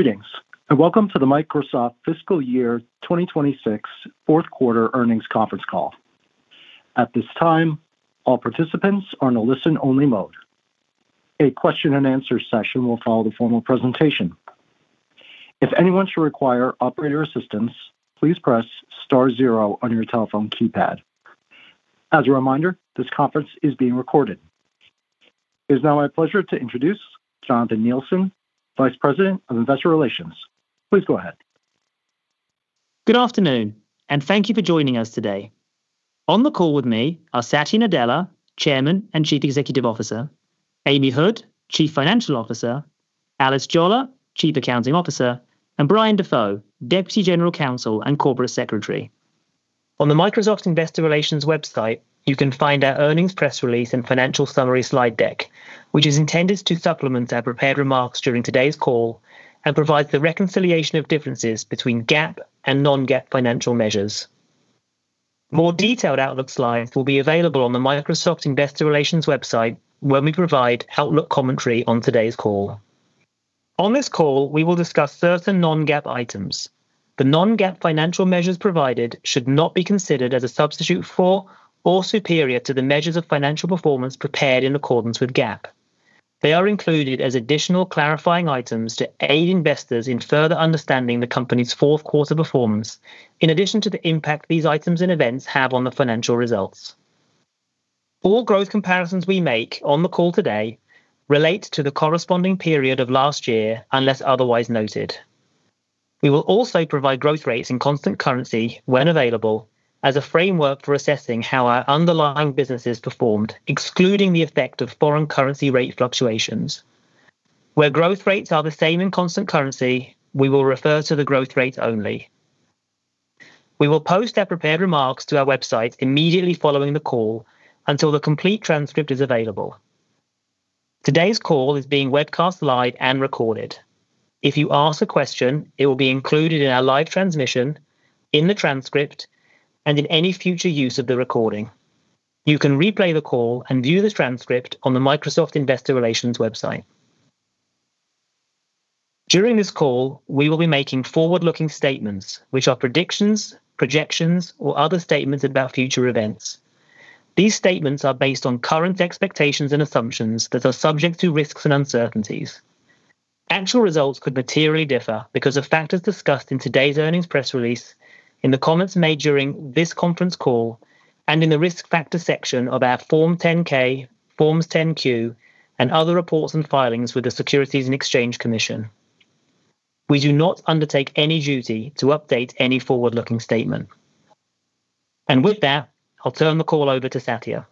Greetings, welcome to the Microsoft fiscal year 2026 fourth quarter earnings conference call. At this time, all participants are in a listen-only mode. A question and answer session will follow the formal presentation. If anyone should require operator assistance, please press star zero on your telephone keypad. As a reminder, this conference is being recorded. It is now my pleasure to introduce Jonathan Neilson, Vice President of Investor Relations. Please go ahead. Good afternoon, thank you for joining us today. On the call with me are Satya Nadella, Chairman and Chief Executive Officer, Amy Hood, Chief Financial Officer, Alice Jolla, Chief Accounting Officer, and Brian DeFoe, Deputy General Counsel and Corporate Secretary. On the Microsoft Investor Relations website, you can find our earnings press release and financial summary slide deck, which is intended to supplement our prepared remarks during today's call and provide the reconciliation of differences between GAAP and non-GAAP financial measures. More detailed outlook slides will be available on the Microsoft Investor Relations website when we provide outlook commentary on today's call. On this call, we will discuss certain non-GAAP items. The non-GAAP financial measures provided should not be considered as a substitute for or superior to the measures of financial performance prepared in accordance with GAAP. They are included as additional clarifying items to aid investors in further understanding the company's fourth quarter performance, in addition to the impact these items and events have on the financial results. All growth comparisons we make on the call today relate to the corresponding period of last year, unless otherwise noted. We will also provide growth rates in constant currency when available, as a framework for assessing how our underlying businesses performed, excluding the effect of foreign currency rate fluctuations. Where growth rates are the same in constant currency, we will refer to the growth rate only. We will post our prepared remarks to our website immediately following the call until the complete transcript is available. Today's call is being webcast live and recorded. If you ask a question, it will be included in our live transmission, in the transcript, and in any future use of the recording. You can replay the call and view the transcript on the Microsoft Investor Relations website. During this call, we will be making forward-looking statements, which are predictions, projections, or other statements about future events. These statements are based on current expectations and assumptions that are subject to risks and uncertainties. Actual results could materially differ because of factors discussed in today's earnings press release, in the comments made during this conference call, and in the risk factor section of our Form 10-K, Form 10-Q, and other reports and filings with the Securities and Exchange Commission. We do not undertake any duty to update any forward-looking statement. With that, I'll turn the call over to Satya.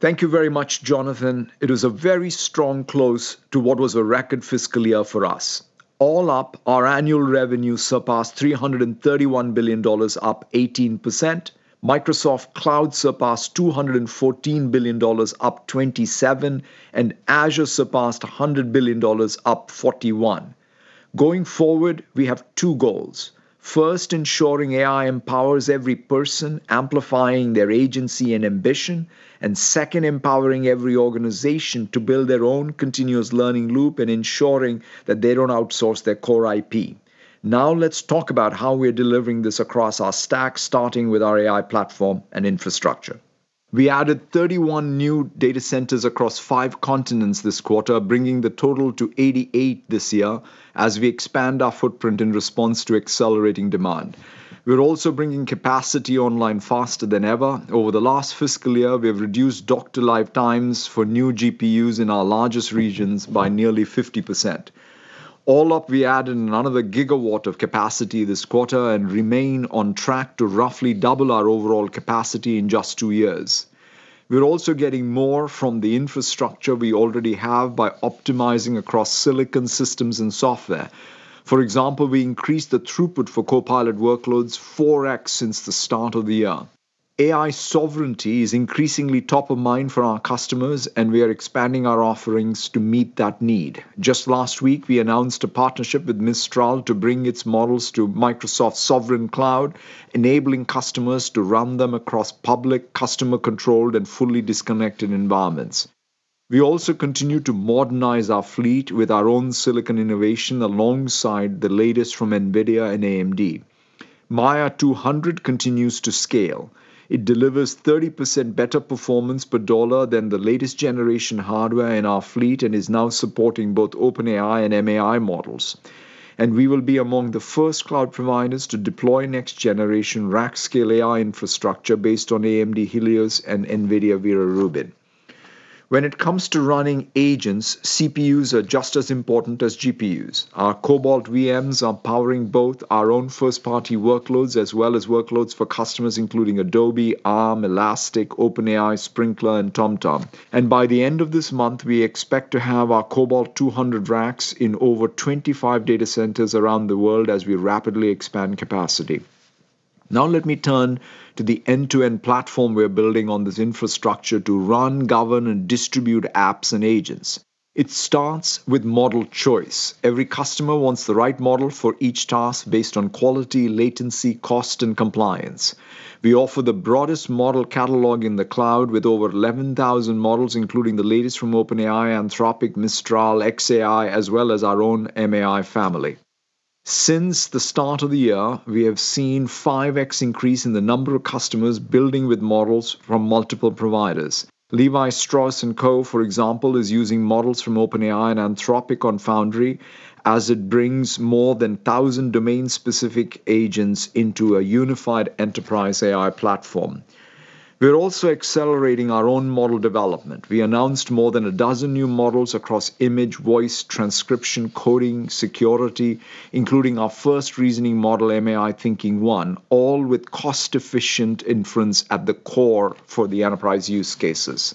Thank you very much, Jonathan. It was a very strong close to what was a record fiscal year for us. All up, our annual revenue surpassed $331 billion, up 18%. Microsoft Cloud surpassed $214 billion, up 27%, and Azure surpassed $100 billion, up 41%. Going forward, we have two goals. Ensuring AI empowers every person, amplifying their agency and ambition, and empowering every organization to build their own continuous learning loop and ensuring that they don't outsource their core IP. Now, let's talk about how we're delivering this across our stack, starting with our AI platform and infrastructure. We added 31 new data centers across five continents this quarter, bringing the total to 88 this year as we expand our footprint in response to accelerating demand. We're also bringing capacity online faster than ever. Over the last fiscal year, we've reduced dock-to-live times for new GPUs in our largest regions by nearly 50%. All up, we added another gigawatt of capacity this quarter and remain on track to roughly double our overall capacity in just two years. We're also getting more from the infrastructure we already have by optimizing across silicon systems and software. For example, we increased the throughput for Copilot workloads 4x since the start of the year. AI sovereignty is increasingly top of mind for our customers, and we are expanding our offerings to meet that need. Just last week, we announced a partnership with Mistral to bring its models to Microsoft Sovereign Cloud, enabling customers to run them across public, customer-controlled, and fully disconnected environments. We also continue to modernize our fleet with our own silicon innovation alongside the latest from NVIDIA and AMD. Maia 200 continues to scale. It delivers 30% better performance per dollar than the latest generation hardware in our fleet and is now supporting both OpenAI and MAI models. And we will be among the first cloud providers to deploy next generation rack-scale AI infrastructure based on AMD Helios and NVIDIA Vera Rubin. When it comes to running agents, CPUs are just as important as GPUs. Our Cobalt VMs are powering both our own first-party workloads as well as workloads for customers, including Adobe, Arm, Elastic, OpenAI, Sprinklr, and TomTom. By the end of this month, we expect to have our Cobalt 200 racks in over 25 data centers around the world as we rapidly expand capacity. Now let me turn to the end-to-end platform we're building on this infrastructure to run, govern, and distribute apps and agents. It starts with model choice. Every customer wants the right model for each task based on quality, latency, cost, and compliance. We offer the broadest model catalog in the cloud with over 11,000 models, including the latest from OpenAI, Anthropic, Mistral, xAI, as well as our own MAI family. Since the start of the year, we have seen 5x increase in the number of customers building with models from multiple providers. Levi Strauss & Co., for example, is using models from OpenAI and Anthropic on Foundry as it brings more than 1,000 domain-specific agents into a unified enterprise AI platform. We are also accelerating our own model development. We announced more than a dozen new models across image, voice, transcription, coding, security, including our first reasoning model, MAI Thinking-1, all with cost-efficient inference at the core for the enterprise use cases.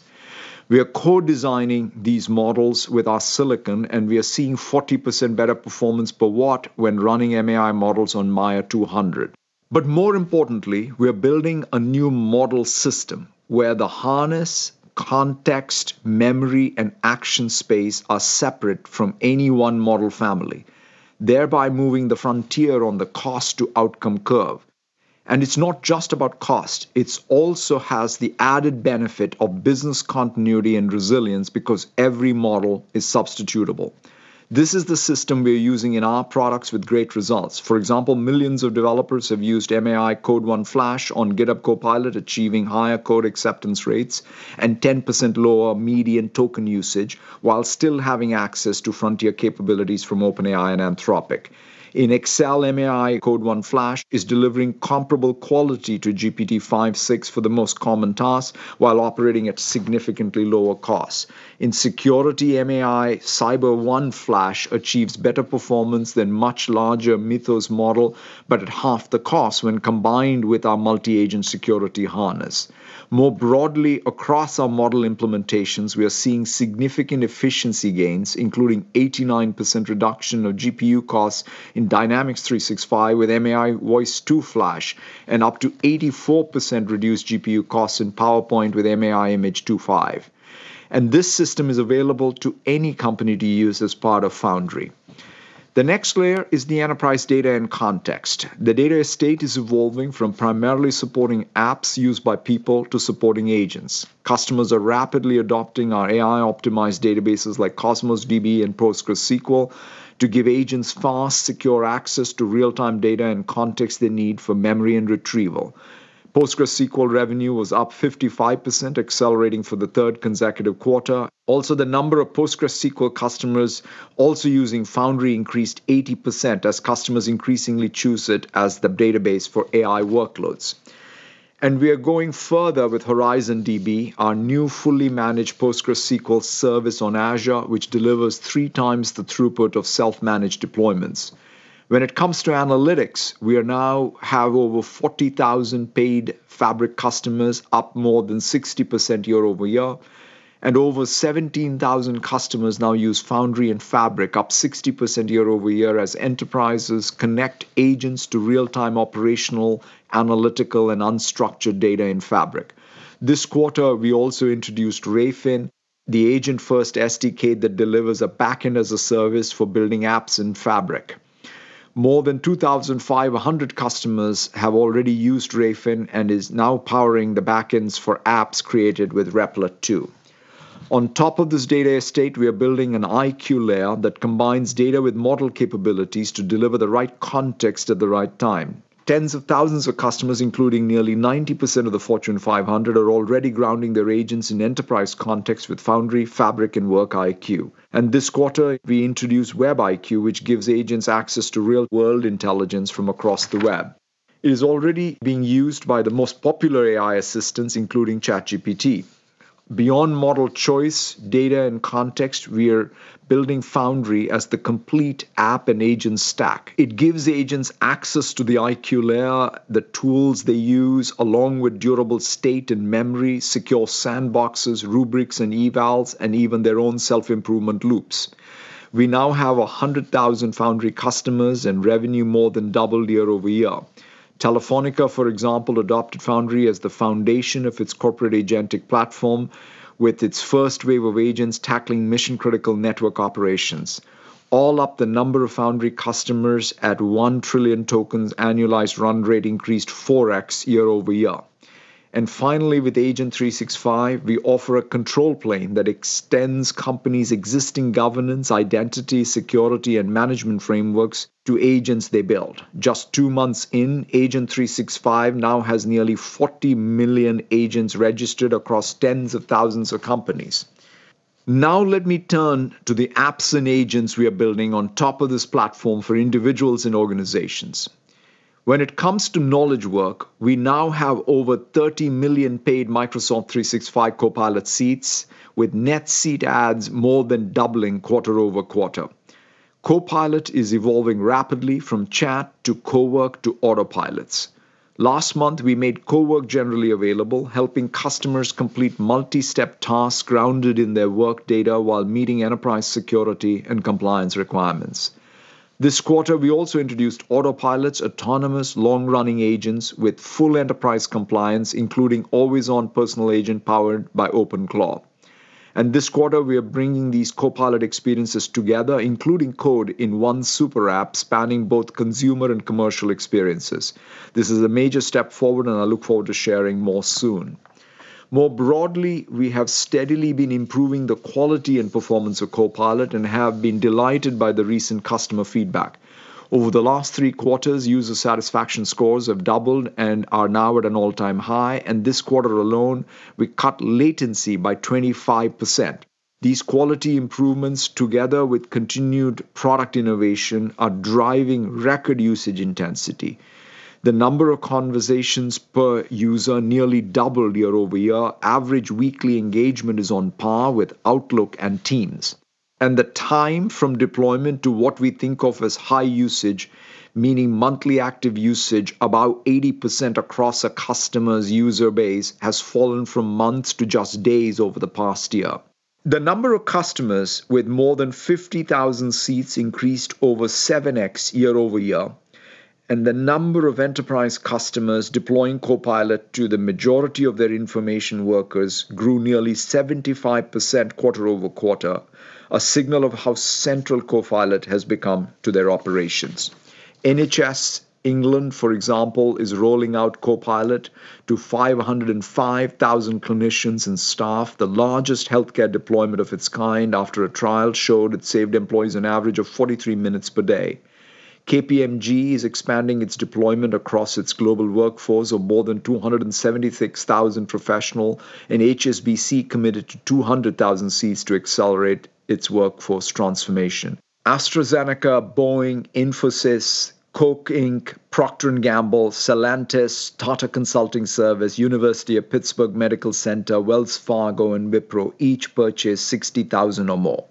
We are co-designing these models with our silicon. We are seeing 40% better performance per watt when running MAI models on Maia 200. More importantly, we are building a new model system where the harness, context, memory, and action space are separate from any one model family, thereby moving the frontier on the cost-to-outcome curve. It's not just about cost. It also has the added benefit of business continuity and resilience because every model is substitutable. This is the system we are using in our products with great results. For example, millions of developers have used MAI-Code-1-Flash on GitHub Copilot, achieving higher code acceptance rates and 10% lower median token usage while still having access to frontier capabilities from OpenAI and Anthropic. In Excel, MAI-Code-1-Flash is delivering comparable quality to GPT-5.6 for the most common tasks while operating at significantly lower costs. In security, MAI-Cyber-1-Flash achieves better performance than much larger Mythos model, but at half the cost when combined with our multi-agent security harness. More broadly, across our model implementations, we are seeing significant efficiency gains, including 89% reduction of GPU costs in Dynamics 365 with MAI-Voice-2-Flash and up to 84% reduced GPU costs in PowerPoint with MAI-Image-2.5. This system is available to any company to use as part of Foundry. The next layer is the enterprise data and context. The data estate is evolving from primarily supporting apps used by people to supporting agents. Customers are rapidly adopting our AI-optimized databases like Cosmos DB and PostgreSQL to give agents fast, secure access to real-time data and context they need for memory and retrieval. PostgreSQL revenue was up 55%, accelerating for the third consecutive quarter. Also, the number of PostgreSQL customers also using Foundry increased 80% as customers increasingly choose it as the database for AI workloads. We are going further with Horizon DB, our new fully managed PostgreSQL service on Azure, which delivers three times the throughput of self-managed deployments. When it comes to analytics, we now have over 40,000 paid Fabric customers, up more than 60% year-over-year, and over 17,000 customers now use Foundry and Fabric, up 60% year-over-year as enterprises connect agents to real-time operational, analytical, and unstructured data in Fabric. This quarter, we also introduced Rayfin, the agent-first SDK that delivers a backend as a service for building apps in Fabric. More than 2,500 customers have already used Rayfin and is now powering the backends for apps created with Replit too. On top of this data estate, we are building an IQ layer that combines data with model capabilities to deliver the right context at the right time. Tens of thousands of customers, including nearly 90% of the Fortune 500, are already grounding their agents in enterprise context with Foundry, Fabric, and Work IQ. This quarter, we introduced Web IQ, which gives agents access to real-world intelligence from across the web. It is already being used by the most popular AI assistants, including ChatGPT. Beyond model choice, data, and context, we are building Foundry as the complete app and agent stack. It gives agents access to the IQ layer, the tools they use, along with durable state and memory, secure sandboxes, rubrics and evals, and even their own self-improvement loops. We now have 100,000 Foundry customers and revenue more than doubled year-over-year. Telefónica, for example, adopted Foundry as the foundation of its corporate agentic platform with its first wave of agents tackling mission-critical network operations. All up, the number of Foundry customers at 1 trillion tokens annualized run rate increased 4x year-over-year. Finally, with Agent 365, we offer a control plane that extends companies' existing governance, identity, security, and management frameworks to agents they build. Just two months in, Agent 365 now has nearly 40 million agents registered across tens of thousands of companies. Let me turn to the apps and agents we are building on top of this platform for individuals and organizations. When it comes to knowledge work, we now have over 30 million paid Microsoft 365 Copilot seats with net seat adds more than doubling quarter-over-quarter. Copilot is evolving rapidly from chat to Copilot to autopilots. Last month, we made Copilot generally available, helping customers complete multi-step tasks grounded in their work data while meeting enterprise security and compliance requirements. This quarter, we also introduced autopilots, autonomous long-running agents with full enterprise compliance, including always-on personal agent powered by OpenClaw. This quarter, we are bringing these Copilot experiences together, including code in one super app spanning both consumer and commercial experiences. This is a major step forward and I look forward to sharing more soon. More broadly, we have steadily been improving the quality and performance of Copilot and have been delighted by the recent customer feedback. Over the last three quarters, user satisfaction scores have doubled and are now at an all-time high, this quarter alone, we cut latency by 25%. These quality improvements, together with continued product innovation, are driving record usage intensity. The number of conversations per user nearly doubled year-over-year. Average weekly engagement is on par with Outlook and Teams. The time from deployment to what we think of as high usage, meaning monthly active usage, about 80% across a customer's user base, has fallen from months to just days over the past year. The number of customers with more than 50,000 seats increased over 7x year-over-year, and the number of enterprise customers deploying Copilot to the majority of their information workers grew nearly 75% quarter-over-quarter, a signal of how central Copilot has become to their operations. NHS England, for example, is rolling out Copilot to 505,000 clinicians and staff, the largest healthcare deployment of its kind after a trial showed it saved employees an average of 43 minutes per day. KPMG is expanding its deployment across its global workforce of more than 276,000 professional, HSBC committed to 200,000 seats to accelerate its workforce transformation. AstraZeneca, Boeing, Infosys, Coke Inc., Procter & Gamble, Stellantis, Tata Consultancy Services, University of Pittsburgh Medical Center, Wells Fargo, and Wipro each purchased 60,000 or more.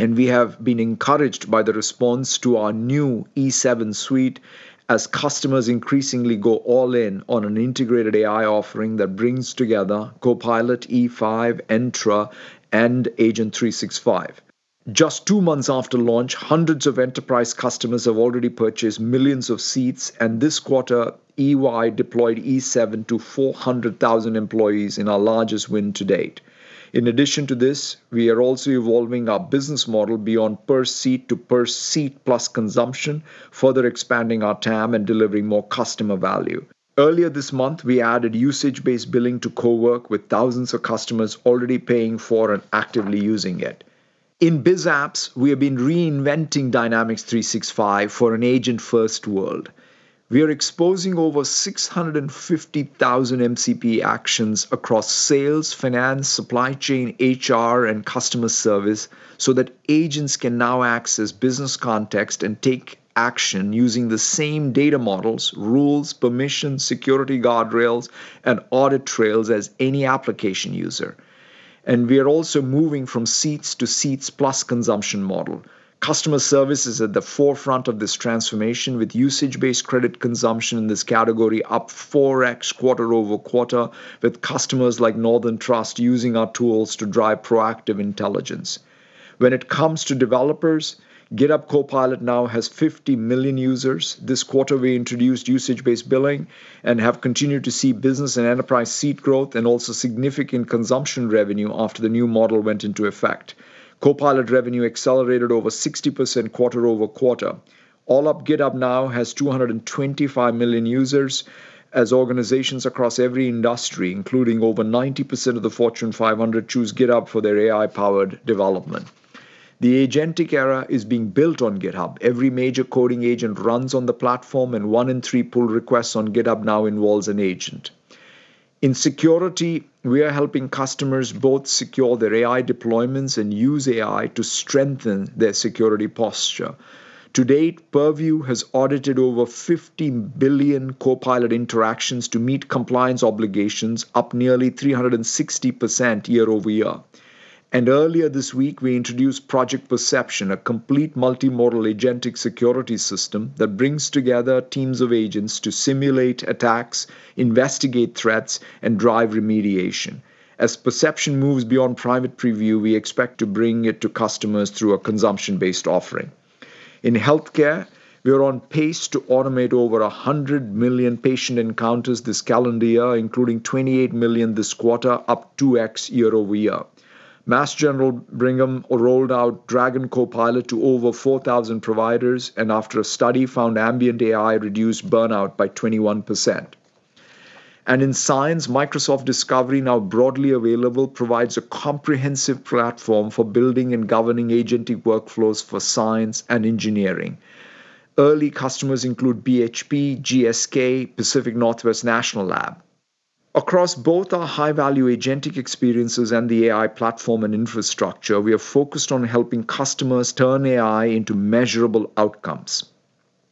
We have been encouraged by the response to our new E7 suite as customers increasingly go all in on an integrated AI offering that brings together Copilot E5, Entra, and Agent 365. Just two months after launch, hundreds of enterprise customers have already purchased millions of seats, this quarter, EY deployed E7 to 400,000 employees in our largest win to date. In addition to this, we are also evolving our business model beyond per seat to per seat plus consumption, further expanding our TAM and delivering more customer value. Earlier this month, we added usage-based billing to Copilot Cowork with thousands of customers already paying for and actively using it. In Biz Apps, we have been reinventing Microsoft Dynamics 365 for an agent-first world. We are exposing over 650,000 MCP actions across sales, finance, supply chain, HR, and customer service so that agents can now access business context and take action using the same data models, rules, permissions, security guardrails, and audit trails as any application user. We are also moving from seats to seats plus consumption model. Customer service is at the forefront of this transformation with usage-based credit consumption in this category up 4x quarter-over-quarter with customers like Northern Trust using our tools to drive proactive intelligence. When it comes to developers, GitHub Copilot now has 50 million users. This quarter, we introduced usage-based billing and have continued to see business and enterprise seat growth and also significant consumption revenue after the new model went into effect. Copilot revenue accelerated over 60% quarter-over-quarter. All up, GitHub now has 225 million users as organizations across every industry, including over 90% of the Fortune 500, choose GitHub for their AI-powered development. The agentic era is being built on GitHub. Every major coding agent runs on the platform, and one in three pull requests on GitHub now involves an agent. In security, we are helping customers both secure their AI deployments and use AI to strengthen their security posture. To date, Microsoft Purview has audited over 15 billion Copilot interactions to meet compliance obligations, up nearly 360% year-over-year. Earlier this week, we introduced Project Perception, a complete multimodal agentic security system that brings together teams of agents to simulate attacks, investigate threats, and drive remediation. As Perception moves beyond private preview, we expect to bring it to customers through a consumption-based offering. In healthcare, we are on pace to automate over 100 million patient encounters this calendar year, including 28 million this quarter, up 2x year-over-year. Mass General Brigham rolled out DAX Copilot to over 4,000 providers and after a study found Ambient AI reduced burnout by 21%. In science, Microsoft Discovery, now broadly available, provides a comprehensive platform for building and governing agentic workflows for science and engineering. Early customers include BHP, GSK, Pacific Northwest National Laboratory. Across both our high-value agentic experiences and the AI platform and infrastructure, we are focused on helping customers turn AI into measurable outcomes.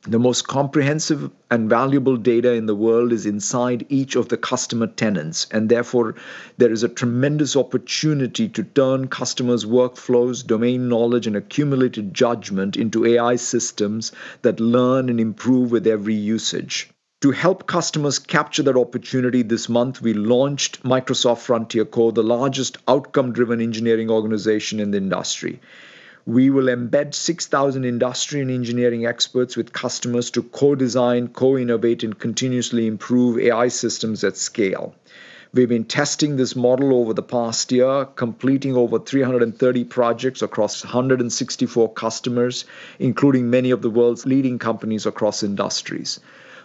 The most comprehensive and valuable data in the world is inside each of the customer tenants, and therefore, there is a tremendous opportunity to turn customers' workflows, domain knowledge, and accumulated judgment into AI systems that learn and improve with every usage. To help customers capture that opportunity this month, we launched Microsoft Frontier Company, the largest outcome-driven engineering organization in the industry. We will embed 6,000 industry and engineering experts with customers to co-design, co-innovate, and continuously improve AI systems at scale. We've been testing this model over the past year, completing over 330 projects across 164 customers, including many of the world's leading companies across industries.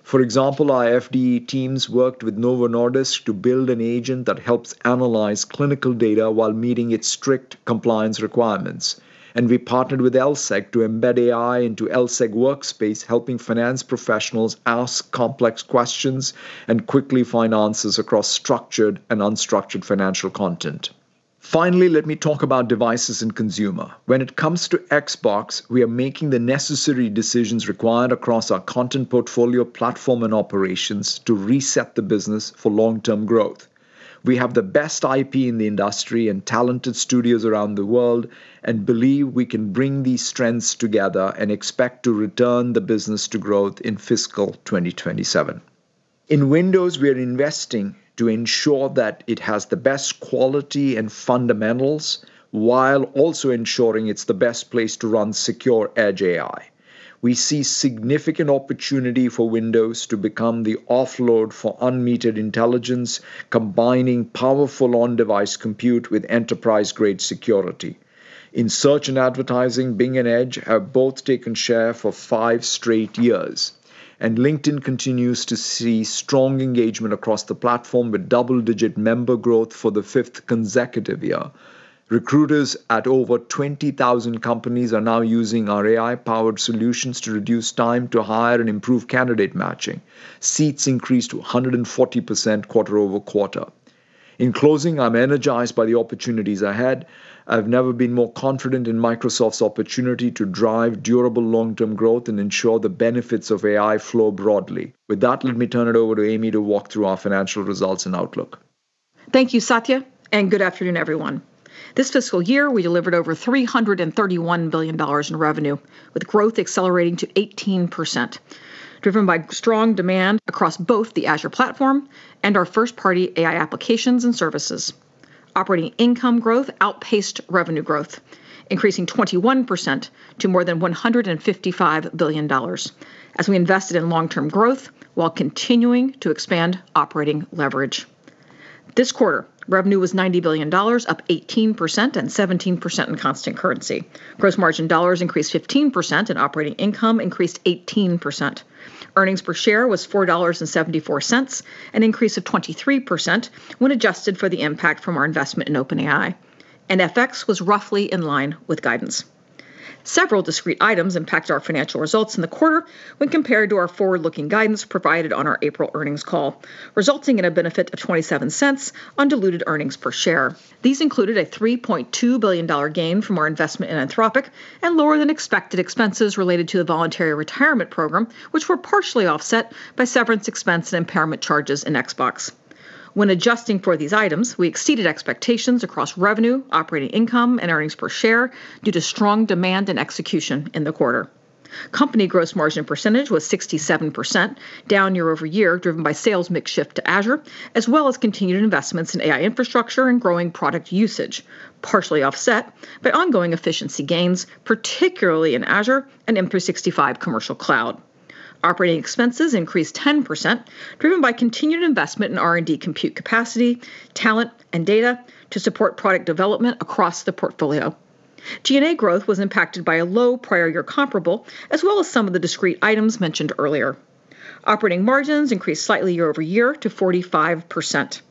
For example, our FD teams worked with Novo Nordisk to build an agent that helps analyze clinical data while meeting its strict compliance requirements. We partnered with LSEG to embed AI into LSEG Workspace, helping finance professionals ask complex questions and quickly find answers across structured and unstructured financial content. Finally, let me talk about devices and consumer. When it comes to Xbox, we are making the necessary decisions required across our content portfolio platform and operations to reset the business for long-term growth. We have the best IP in the industry and talented studios around the world and believe we can bring these strengths together and expect to return the business to growth in fiscal 2027. In Windows, we are investing to ensure that it has the best quality and fundamentals, while also ensuring it's the best place to run secure edge AI. We see significant opportunity for Windows to become the offload for unmetered intelligence, combining powerful on-device compute with enterprise-grade security. In search and advertising, Bing and Edge have both taken share for five straight years, and LinkedIn continues to see strong engagement across the platform with double-digit member growth for the 5th consecutive year. Recruiters at over 20,000 companies are now using our AI-powered solutions to reduce time to hire and improve candidate matching. Seats increased to 140% quarter-over-quarter. In closing, I'm energized by the opportunities ahead. I've never been more confident in Microsoft's opportunity to drive durable long-term growth and ensure the benefits of AI flow broadly. With that, let me turn it over to Amy to walk through our financial results and outlook. Thank you, Satya, good afternoon, everyone. This fiscal year, we delivered over $331 billion in revenue, with growth accelerating to 18%, driven by strong demand across both the Azure platform and our first-party AI applications and services. Operating income growth outpaced revenue growth, increasing 21% to more than $155 billion as we invested in long-term growth while continuing to expand operating leverage. This quarter, revenue was $90 billion, up 18% and 17% in constant currency. Gross margin dollars increased 15%, and operating income increased 18%. Earnings per share was $4.74, an increase of 23% when adjusted for the impact from our investment in OpenAI, and FX was roughly in line with guidance. Several discrete items impacted our financial results in the quarter when compared to our forward-looking guidance provided on our April earnings call, resulting in a benefit of $0.27 undiluted earnings per share. These included a $3.2 billion gain from our investment in Anthropic and lower than expected expenses related to the voluntary retirement program, which were partially offset by severance expense and impairment charges in Xbox. When adjusting for these items, we exceeded expectations across revenue, operating income, and earnings per share due to strong demand and execution in the quarter. Company gross margin percentage was 67%, down year-over-year, driven by sales mix shift to Azure, as well as continued investments in AI infrastructure and growing product usage, partially offset by ongoing efficiency gains, particularly in Azure and M365 Commercial Cloud. Operating expenses increased 10%, driven by continued investment in R&D compute capacity, talent, and data to support product development across the portfolio. G&A growth was impacted by a low prior year comparable, as well as some of the discrete items mentioned earlier. Operating margins increased slightly year-over-year to 45%.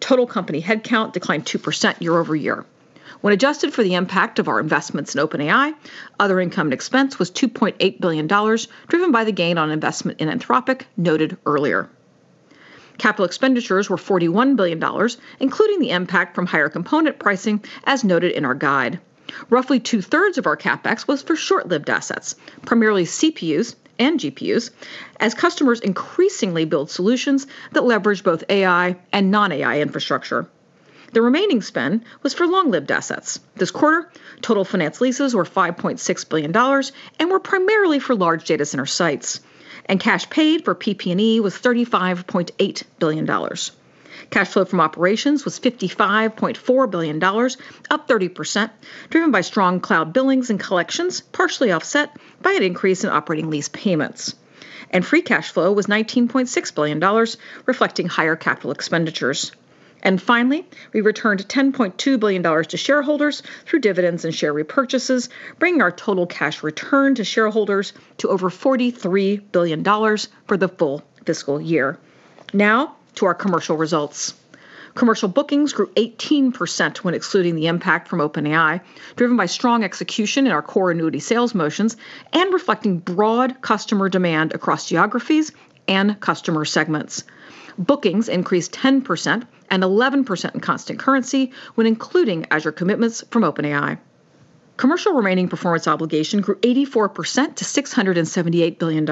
Total company headcount declined 2% year-over-year. When adjusted for the impact of our investments in OpenAI, other income and expense was $2.8 billion, driven by the gain on investment in Anthropic noted earlier. Capital expenditures were $41 billion, including the impact from higher component pricing as noted in our guide. Roughly two-thirds of our CapEx was for short-lived assets, primarily CPUs and GPUs, as customers increasingly build solutions that leverage both AI and non-AI infrastructure. The remaining spend was for long-lived assets. This quarter, total finance leases were $5.6 billion and were primarily for large data center sites, and cash paid for PP&E was $35.8 billion. Cash flow from operations was $55.4 billion, up 30%, driven by strong cloud billings and collections, partially offset by an increase in operating lease payments. Free cash flow was $19.6 billion, reflecting higher capital expenditures. Finally, we returned $10.2 billion to shareholders through dividends and share repurchases, bringing our total cash return to shareholders to over $43 billion for the full fiscal year. Now to our commercial results. Commercial bookings grew 18% when excluding the impact from OpenAI, driven by strong execution in our core annuity sales motions and reflecting broad customer demand across geographies and customer segments. Bookings increased 10% and 11% in constant currency when including Azure commitments from OpenAI. Commercial remaining performance obligation grew 84% to $678 billion.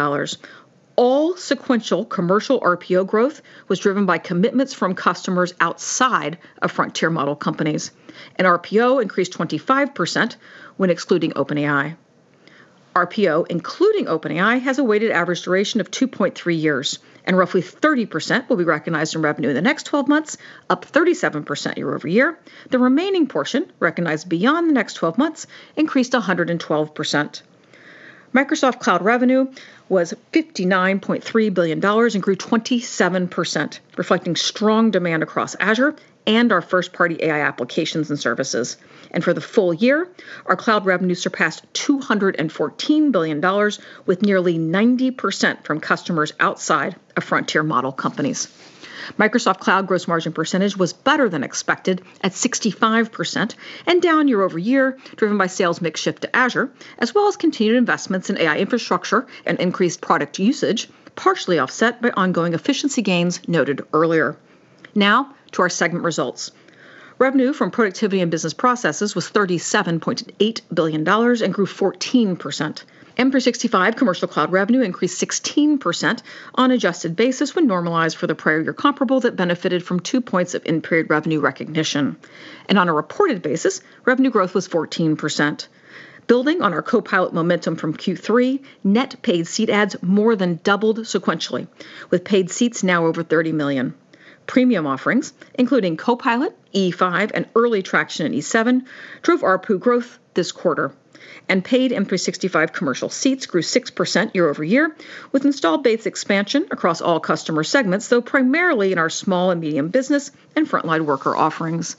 All sequential commercial RPO growth was driven by commitments from customers outside of Frontier Model companies, and RPO increased 25% when excluding OpenAI. RPO, including OpenAI, has a weighted average duration of 2.3 years, and roughly 30% will be recognized in revenue in the next 12 months, up 37% year-over-year. The remaining portion, recognized beyond the next 12 months, increased 112%. Microsoft Cloud revenue was $59.3 billion and grew 27%, reflecting strong demand across Azure and our first-party AI applications and services. For the full year, our cloud revenue surpassed $214 billion, with nearly 90% from customers outside of Frontier Model companies. Microsoft Cloud gross margin percentage was better than expected at 65% and down year-over-year, driven by sales mix shift to Azure, as well as continued investments in AI infrastructure and increased product usage, partially offset by ongoing efficiency gains noted earlier. Now to our segment results. Revenue from productivity and business processes was $37.8 billion and grew 14%. M365 commercial cloud revenue increased 16% on adjusted basis when normalized for the prior year comparable that benefited from two points of in-period revenue recognition. On a reported basis, revenue growth was 14%. Building on our Copilot momentum from Q3, net paid seat adds more than doubled sequentially, with paid seats now over 30 million. Premium offerings, including Copilot, E5, and early traction in E7, drove ARPU growth this quarter. Paid M365 commercial seats grew 6% year-over-year, with installed base expansion across all customer segments, though primarily in our small and medium business and frontline worker offerings.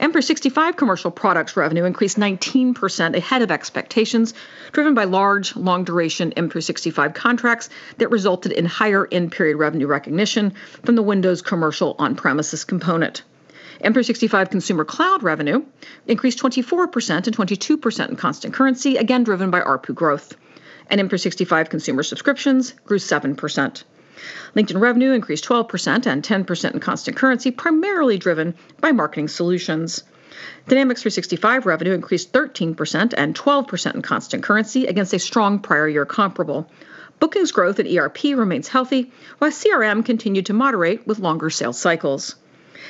M365 commercial products revenue increased 19%, ahead of expectations, driven by large, long-duration M365 contracts that resulted in higher in-period revenue recognition from the Windows Commercial on-premises component. M365 consumer cloud revenue increased 24%, and 22% in constant currency, again driven by ARPU growth. M365 consumer subscriptions grew 7%. LinkedIn revenue increased 12% and 10% in constant currency, primarily driven by marketing solutions. Dynamics 365 revenue increased 13% and 12% in constant currency against a strong prior year comparable. Bookings growth at ERP remains healthy, while CRM continued to moderate with longer sales cycles.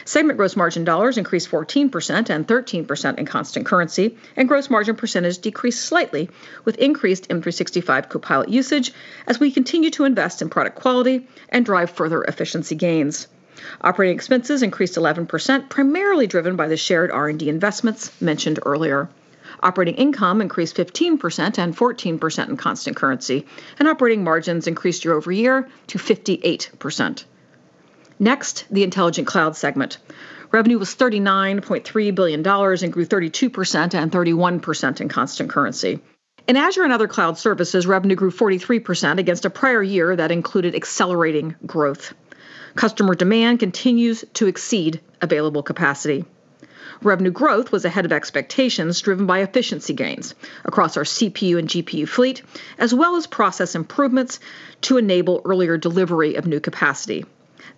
Segment gross margin dollars increased 14% and 13% in constant currency, and gross margin percentage decreased slightly with increased Microsoft 365 Copilot usage as we continue to invest in product quality and drive further efficiency gains. Operating expenses increased 11%, primarily driven by the shared R&D investments mentioned earlier. Operating income increased 15% and 14% in constant currency, and operating margins increased year-over-year to 58%. Next, the intelligent cloud segment. Revenue was $39.3 billion and grew 32% and 31% in constant currency. In Azure and other cloud services, revenue grew 43% against a prior year that included accelerating growth. Customer demand continues to exceed available capacity. Revenue growth was ahead of expectations, driven by efficiency gains across our CPU and GPU fleet, as well as process improvements to enable earlier delivery of new capacity.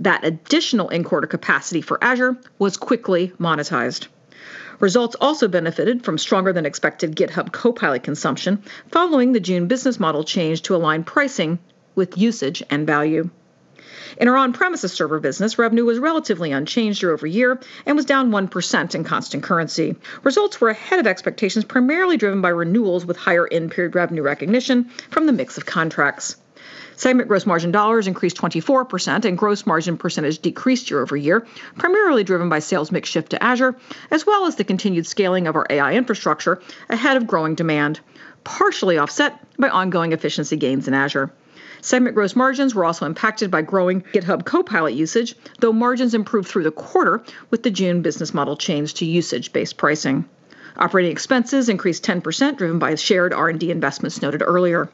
That additional in-quarter capacity for Azure was quickly monetized. Results also benefited from stronger than expected GitHub Copilot consumption following the June business model change to align pricing with usage and value. In our on-premises server business, revenue was relatively unchanged year-over-year and was down 1% in constant currency. Results were ahead of expectations, primarily driven by renewals with higher in-period revenue recognition from the mix of contracts. Segment gross margin dollars increased 24% and gross margin percentage decreased year-over-year, primarily driven by sales mix shift to Azure, as well as the continued scaling of our AI infrastructure ahead of growing demand, partially offset by ongoing efficiency gains in Azure. Segment gross margins were also impacted by growing GitHub Copilot usage, though margins improved through the quarter with the June business model change to usage-based pricing. Operating expenses increased 10%, driven by shared R&D investments noted earlier.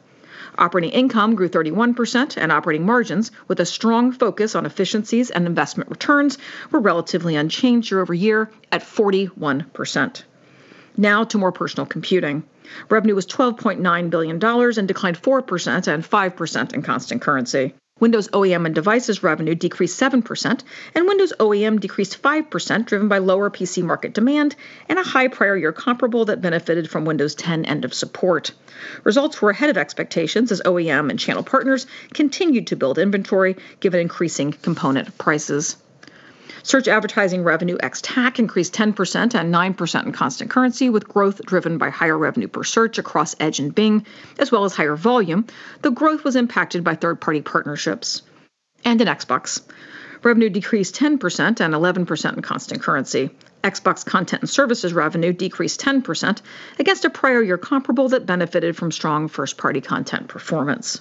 Operating income grew 31%, and operating margins, with a strong focus on efficiencies and investment returns, were relatively unchanged year-over-year at 41%. Now to more personal computing. Revenue was $12.9 billion and declined 4% and 5% in constant currency. Windows OEM and devices revenue decreased 7%, and Windows OEM decreased 5%, driven by lower PC market demand and a high prior year comparable that benefited from Windows 10 end of support. Results were ahead of expectations as OEM and channel partners continued to build inventory given increasing component prices. Search advertising revenue ex TAC increased 10% and 9% in constant currency, with growth driven by higher revenue per search across Edge and Bing, as well as higher volume, though growth was impacted by third-party partnerships. In Xbox, revenue decreased 10% and 11% in constant currency. Xbox content and services revenue decreased 10% against a prior year comparable that benefited from strong first-party content performance.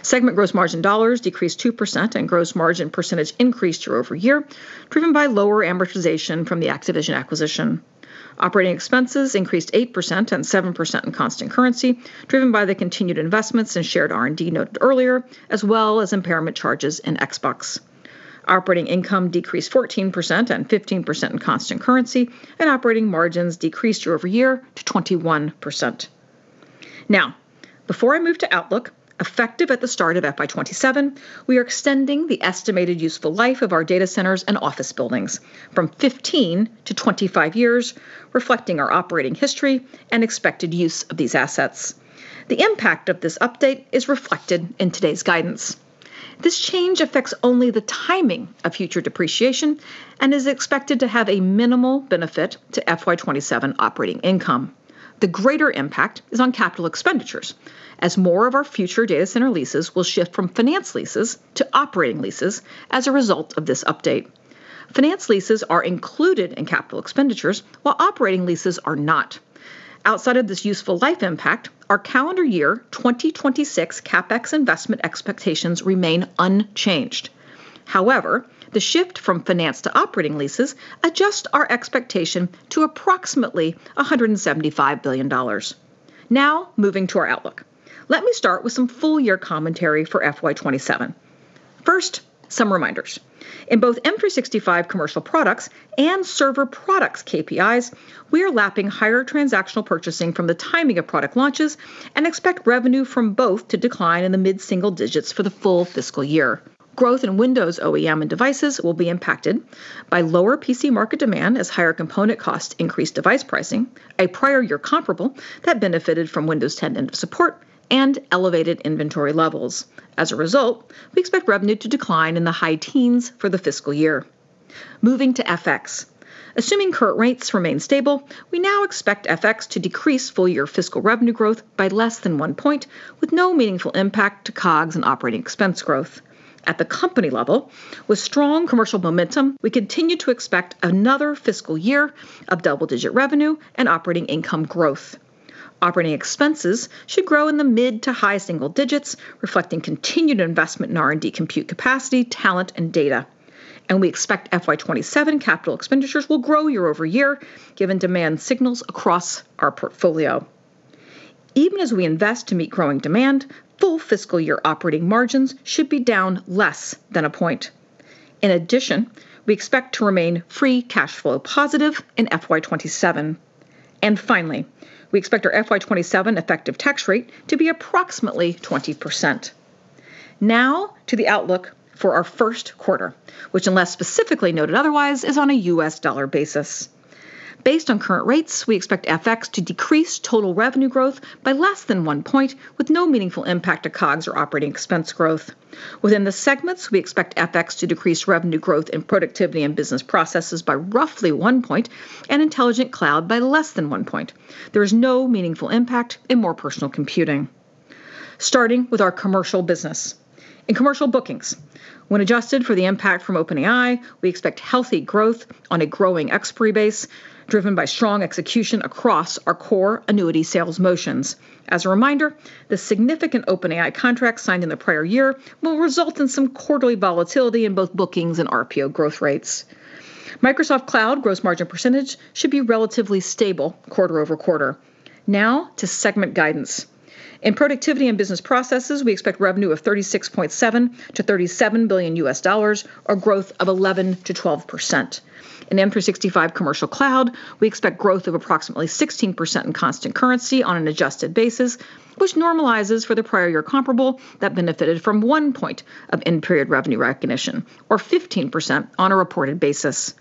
Segment gross margin dollars decreased 2%, and gross margin percentage increased year-over-year, driven by lower amortization from the Activision acquisition. Operating expenses increased 8% and 7% in constant currency, driven by the continued investments in shared R&D noted earlier, as well as impairment charges in Xbox. Operating income decreased 14% and 15% in constant currency, and operating margins decreased year-over-year to 21%. Before I move to outlook, effective at the start of FY 2027, we are extending the estimated useful life of our data centers and office buildings from 15-25 years, reflecting our operating history and expected use of these assets. The impact of this update is reflected in today's guidance. This change affects only the timing of future depreciation and is expected to have a minimal benefit to FY 2027 operating income. The greater impact is on capital expenditures, as more of our future data center leases will shift from finance leases to operating leases as a result of this update. Finance leases are included in capital expenditures, while operating leases are not. Outside of this useful life impact, our calendar year 2026 CapEx investment expectations remain unchanged. However, the shift from finance to operating leases adjusts our expectation to approximately $175 billion. Moving to our outlook. Let me start with some full-year commentary for FY 2027. First, some reminders. In both M365 commercial products and server products KPIs, we are lapping higher transactional purchasing from the timing of product launches and expect revenue from both to decline in the mid-single digits for the full fiscal year. Growth in Windows OEM and devices will be impacted by lower PC market demand as higher component costs increase device pricing, a prior year comparable that benefited from Windows 10 end of support, and elevated inventory levels. As a result, we expect revenue to decline in the high teens for the fiscal year. Moving to FX. Assuming current rates remain stable, we now expect FX to decrease full-year fiscal revenue growth by less than one point, with no meaningful impact to COGS and operating expense growth. At the company level, with strong commercial momentum, we continue to expect another fiscal year of double-digit revenue and operating income growth. Operating expenses should grow in the mid to high single digits, reflecting continued investment in R&D compute capacity, talent, and data. We expect FY 2027 capital expenditures will grow year-over-year, given demand signals across our portfolio. Even as we invest to meet growing demand, full fiscal year operating margins should be down less than a point. In addition, we expect to remain free cash flow positive in FY 2027. Finally, we expect our FY 2027 effective tax rate to be approximately 20%. To the outlook for our first quarter, which unless specifically noted otherwise, is on a U.S. dollar basis. Based on current rates, we expect FX to decrease total revenue growth by less than one point, with no meaningful impact to COGS or operating expense growth. Within the segments, we expect FX to decrease revenue growth in productivity and business processes by roughly one point and intelligent cloud by less than one point. There is no meaningful impact in more personal computing. Starting with our commercial business. In commercial bookings, when adjusted for the impact from OpenAI, we expect healthy growth on a growing expiry base driven by strong execution across our core annuity sales motions. As a reminder, the significant OpenAI contract signed in the prior year will result in some quarterly volatility in both bookings and RPO growth rates. Microsoft Cloud gross margin percentage should be relatively stable quarter-over-quarter. To segment guidance. In productivity and business processes, we expect revenue of $36.7 billion-$37 billion or growth of 11%-12%. In M365 commercial cloud, we expect growth of approximately 16% in constant currency on an adjusted basis, which normalizes for the prior year comparable that benefited from one point of end-period revenue recognition or 15% on a reported basis.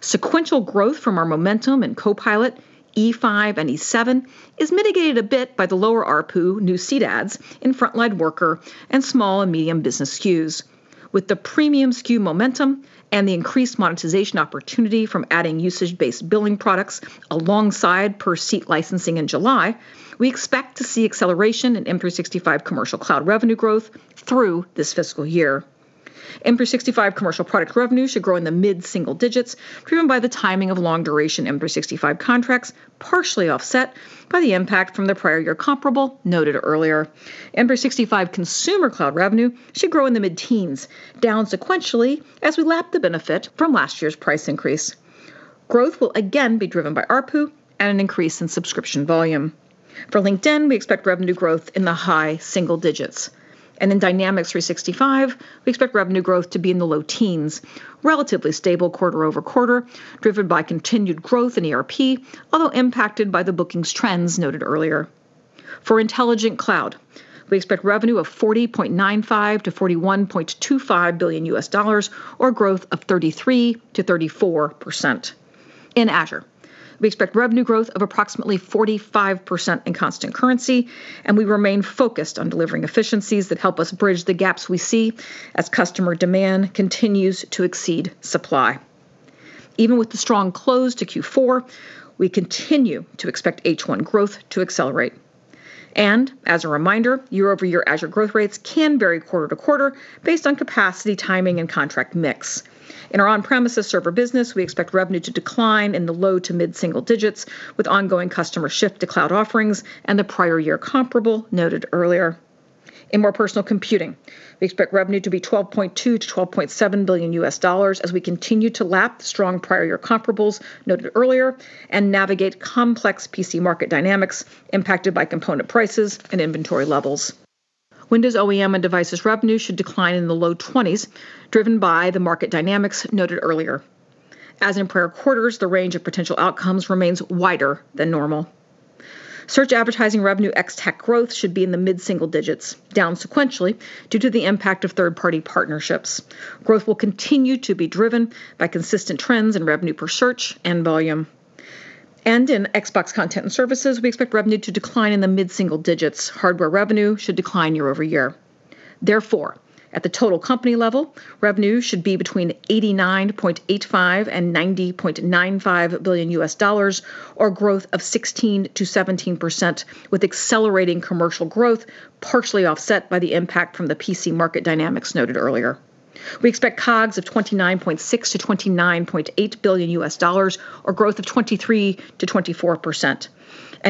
Sequential growth from our momentum in Copilot, E5, and E7 is mitigated a bit by the lower ARPU new seat adds in front-line worker and small and medium business SKUs. With the premium SKU momentum and the increased monetization opportunity from adding usage-based billing products alongside per-seat licensing in July, we expect to see acceleration in M365 commercial cloud revenue growth through this fiscal year. M365 commercial product revenue should grow in the mid-single digits, driven by the timing of long-duration M365 contracts, partially offset by the impact from the prior year comparable noted earlier. M365 consumer cloud revenue should grow in the mid-teens, down sequentially, as we lap the benefit from last year's price increase. Growth will again be driven by ARPU and an increase in subscription volume. For LinkedIn, we expect revenue growth in the high single digits. In Dynamics 365, we expect revenue growth to be in the low teens, relatively stable quarter-over-quarter, driven by continued growth in ERP, although impacted by the bookings trends noted earlier. For Intelligent Cloud, we expect revenue of $40.95 billion-$41.25 billion or growth of 33%-34%. In Azure, we expect revenue growth of approximately 45% in constant currency, we remain focused on delivering efficiencies that help us bridge the gaps we see as customer demand continues to exceed supply. Even with the strong close to Q4, we continue to expect H1 growth to accelerate. As a reminder, year-over-year Azure growth rates can vary quarter to quarter based on capacity, timing, and contract mix. In our on-premises server business, we expect revenue to decline in the low to mid-single digits with ongoing customer shift to cloud offerings and the prior year comparable noted earlier. In more personal computing, we expect revenue to be $12.2 billion-$12.7 billion as we continue to lap the strong prior year comparables noted earlier and navigate complex PC market dynamics impacted by component prices and inventory levels. Windows OEM and devices revenue should decline in the low 20s, driven by the market dynamics noted earlier. As in prior quarters, the range of potential outcomes remains wider than normal. Search advertising revenue ex-TAC growth should be in the mid-single digits, down sequentially, due to the impact of third-party partnerships. Growth will continue to be driven by consistent trends in revenue per search and volume. In Xbox content and services, we expect revenue to decline in the mid-single digits. Hardware revenue should decline year-over-year. Therefore, at the total company level, revenue should be between $89.85 billion and $90.95 billion, or growth of 16%-17%, with accelerating commercial growth partially offset by the impact from the PC market dynamics noted earlier. We expect COGS of $29.6 billion-$29.8 billion, or growth of 23%-24%.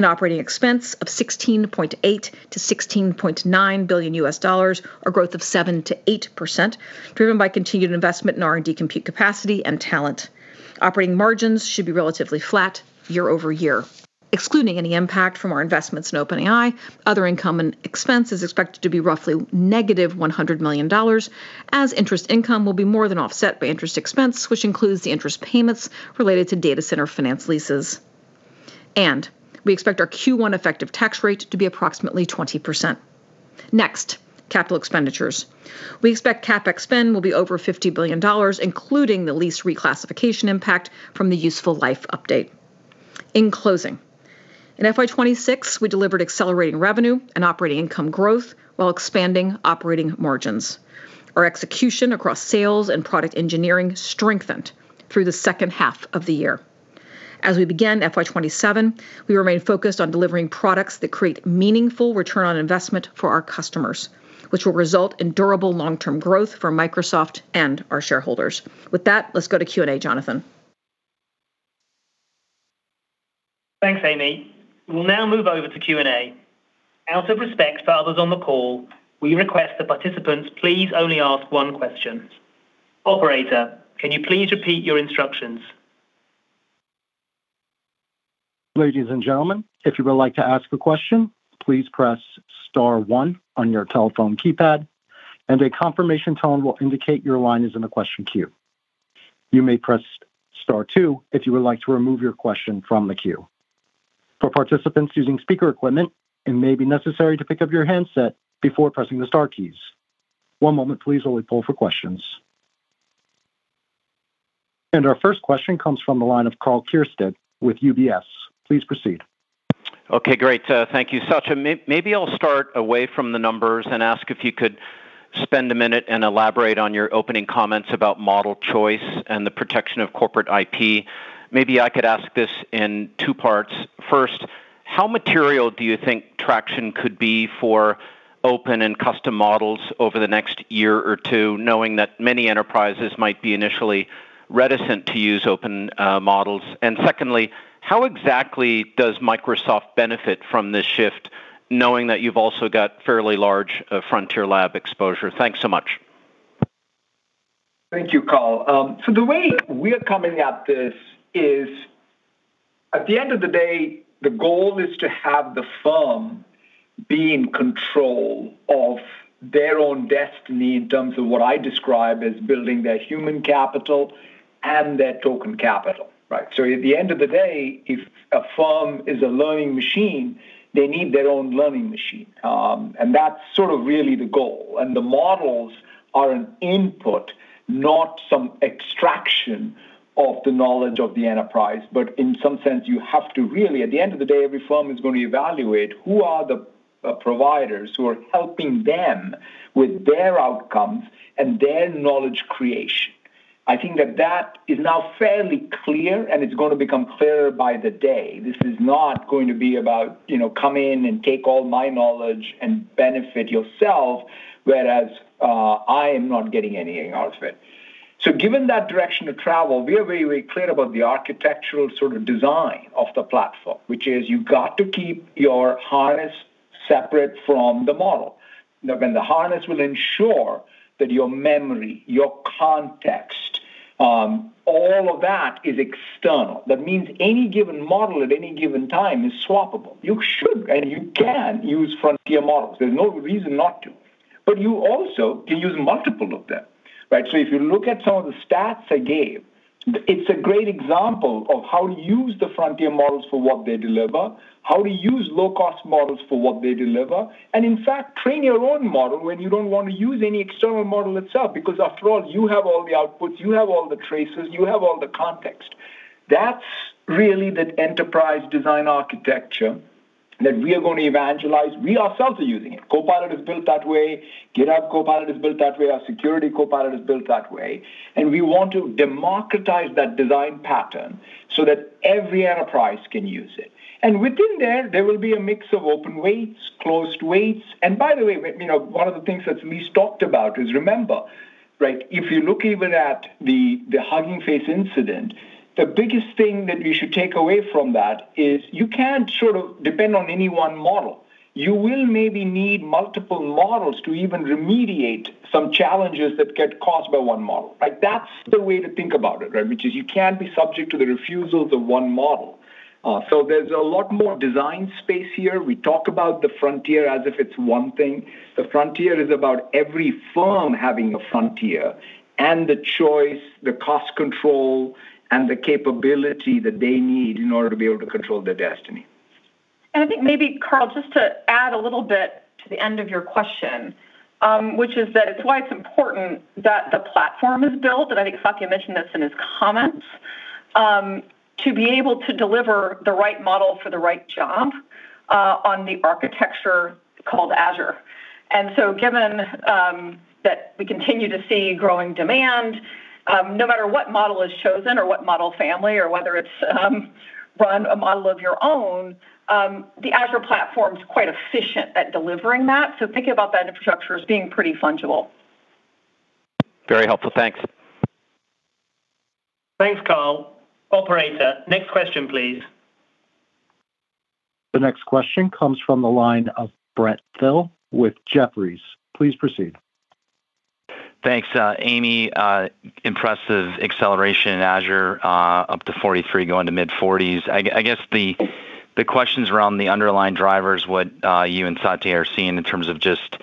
Operating expense of $16.8 billion-$16.9 billion, or growth of 7%-8%, driven by continued investment in R&D compute capacity and talent. Operating margins should be relatively flat year-over-year. Excluding any impact from our investments in OpenAI, other income and expense is expected to be roughly negative $100 million, as interest income will be more than offset by interest expense, which includes the interest payments related to data center finance leases. We expect our Q1 effective tax rate to be approximately 20%. Next, capital expenditures. We expect CapEx spend will be over $50 billion, including the lease reclassification impact from the useful life update. In closing, in FY 2026, we delivered accelerating revenue and operating income growth while expanding operating margins. Our execution across sales and product engineering strengthened through the second half of the year. As we begin FY 2027, we remain focused on delivering products that create meaningful return on investment for our customers, which will result in durable long-term growth for Microsoft and our shareholders. With that, let's go to Q&A. Jonathan? Thanks, Amy. We'll now move over to Q&A. Out of respect for others on the call, we request that participants please only ask one question. Operator, can you please repeat your instructions? Ladies and gentlemen, if you would like to ask a question, please press star one on your telephone keypad. A confirmation tone will indicate your line is in the question queue. You may press star two if you would like to remove your question from the queue. For participants using speaker equipment, it may be necessary to pick up your handset before pressing the star keys. One moment please while we poll for questions. Our first question comes from the line of Karl Keirstead with UBS. Please proceed. Okay, great. Thank you. Satya, maybe I'll start away from the numbers and ask if you could spend a minute and elaborate on your opening comments about model choice and the protection of corporate IP. Maybe I could ask this in two parts. First, how material do you think traction could be for open and custom models over the next year or two, knowing that many enterprises might be initially reticent to use open models? Secondly, how exactly does Microsoft benefit from this shift, knowing that you've also got fairly large Frontier Lab exposure? Thanks so much. Thank you, Karl. The way we are coming at this is, at the end of the day, the goal is to have the firm be in control of their own destiny in terms of what I describe as building their human capital and their token capital. Right? At the end of the day, if a firm is a learning machine, they need their own learning machine. That's really the goal. The models are an input, not some extraction of the knowledge of the enterprise, but in some sense, you have to really, at the end of the day, every firm is going to evaluate who are the providers who are helping them with their outcomes and their knowledge creation. I think that that is now fairly clear, and it's going to become clearer by the day. This is not going to be about, come in and take all my knowledge and benefit yourself, whereas I am not getting anything out of it. Given that direction of travel, we are very clear about the architectural design of the platform, which is you've got to keep your harness separate from the model. The harness will ensure that your memory, your context, all of that is external. That means any given model at any given time is swappable. You should and you can use frontier models. There's no reason not to. You also can use multiple of them. Right? If you look at some of the stats I gave, it's a great example of how to use the frontier models for what they deliver, how to use low-cost models for what they deliver, and in fact, train your own model when you don't want to use any external model itself, because after all, you have all the outputs, you have all the traces, you have all the context. That's really the enterprise design architecture that we are going to evangelize. We ourselves are using it. Copilot is built that way. GitHub Copilot is built that way. Our Security Copilot is built that way. We want to democratize that design pattern so that every enterprise can use it. Within there will be a mix of open weights, closed weights. By the way, one of the things that Lisa talked about is, remember, if you look even at the Hugging Face incident, the biggest thing that we should take away from that is you can't depend on any one model. You will maybe need multiple models to even remediate some challenges that get caused by one model. That's the way to think about it, which is you can't be subject to the refusal of the one model. There's a lot more design space here. We talk about the frontier as if it's one thing. The frontier is about every firm having a frontier and the choice, the cost control, and the capability that they need in order to be able to control their destiny. I think maybe, Karl, just to add a little bit to the end of your question, which is that it's why it's important that the platform is built, and I think Satya mentioned this in his comments, to be able to deliver the right model for the right job on the architecture called Azure. Given that we continue to see growing demand, no matter what model is chosen or what model family or whether it's run a model of your own, the Azure platform's quite efficient at delivering that. Think about that infrastructure as being pretty fungible. Very helpful. Thanks. Thanks, Karl. Operator, next question, please. The next question comes from the line of Brent Thill with Jefferies. Please proceed. Thanks. Amy, impressive acceleration in Azure, up to 43, going to mid-40s. I guess the questions around the underlying drivers, what you and Satya are seeing in terms of just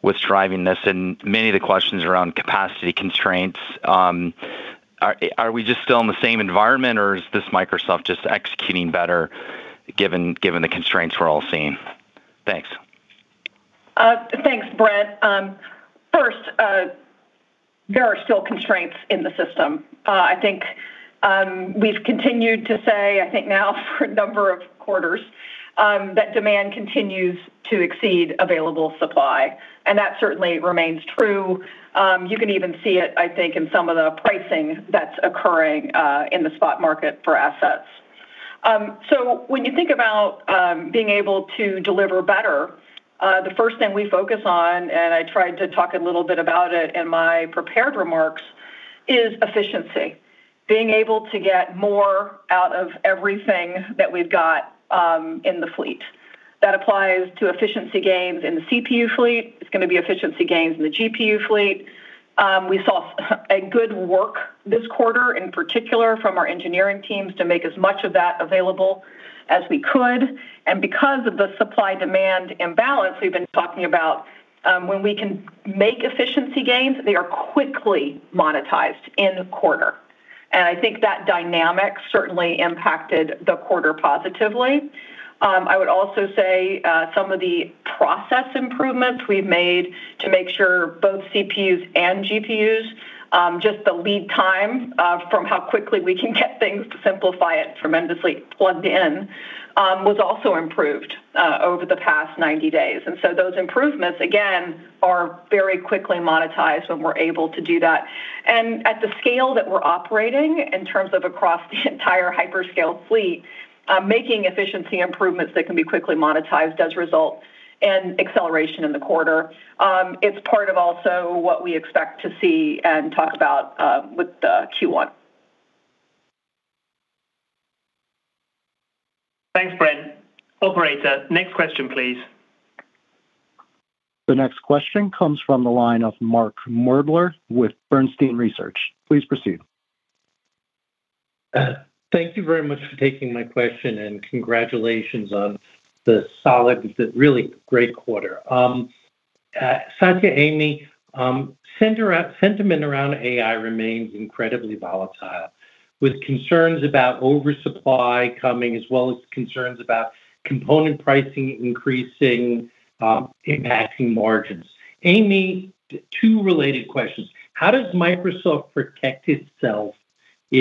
what's driving this, and many of the questions around capacity constraints. Are we just still in the same environment, or is this Microsoft just executing better given the constraints we're all seeing? Thanks. Thanks, Brent. There are still constraints in the system. I think we've continued to say, I think now for a number of quarters, that demand continues to exceed available supply, that certainly remains true. You can even see it, I think, in some of the pricing that's occurring in the spot market for assets. When you think about being able to deliver better, the first thing we focus on, and I tried to talk a little bit about it in my prepared remarks, is efficiency. Being able to get more out of everything that we've got in the fleet. That applies to efficiency gains in the CPU fleet. It's going to be efficiency gains in the GPU fleet. We saw a good work this quarter, in particular from our engineering teams, to make as much of that available as we could. Because of the supply-demand imbalance we've been talking about, when we can make efficiency gains, they are quickly monetized in the quarter. I think that dynamic certainly impacted the quarter positively. I would also say, some of the process improvements we've made to make sure both CPUs and GPUs, just the lead time from how quickly we can get things, to simplify it tremendously, plugged in, was also improved over the past 90 days. Those improvements, again, are very quickly monetized when we're able to do that. At the scale that we're operating, in terms of across the entire hyperscale fleet, making efficiency improvements that can be quickly monetized does result in acceleration in the quarter. It's part of also what we expect to see and talk about with the Q1. Thanks, Brent. Operator, next question, please. The next question comes from the line of Mark Moerdler with Bernstein Research. Please proceed. Thank you very much for taking my question. Congratulations on the solid, really great quarter. Satya, Amy, sentiment around AI remains incredibly volatile, with concerns about oversupply coming, as well as concerns about component pricing increasing, impacting margins. Amy, two related questions. On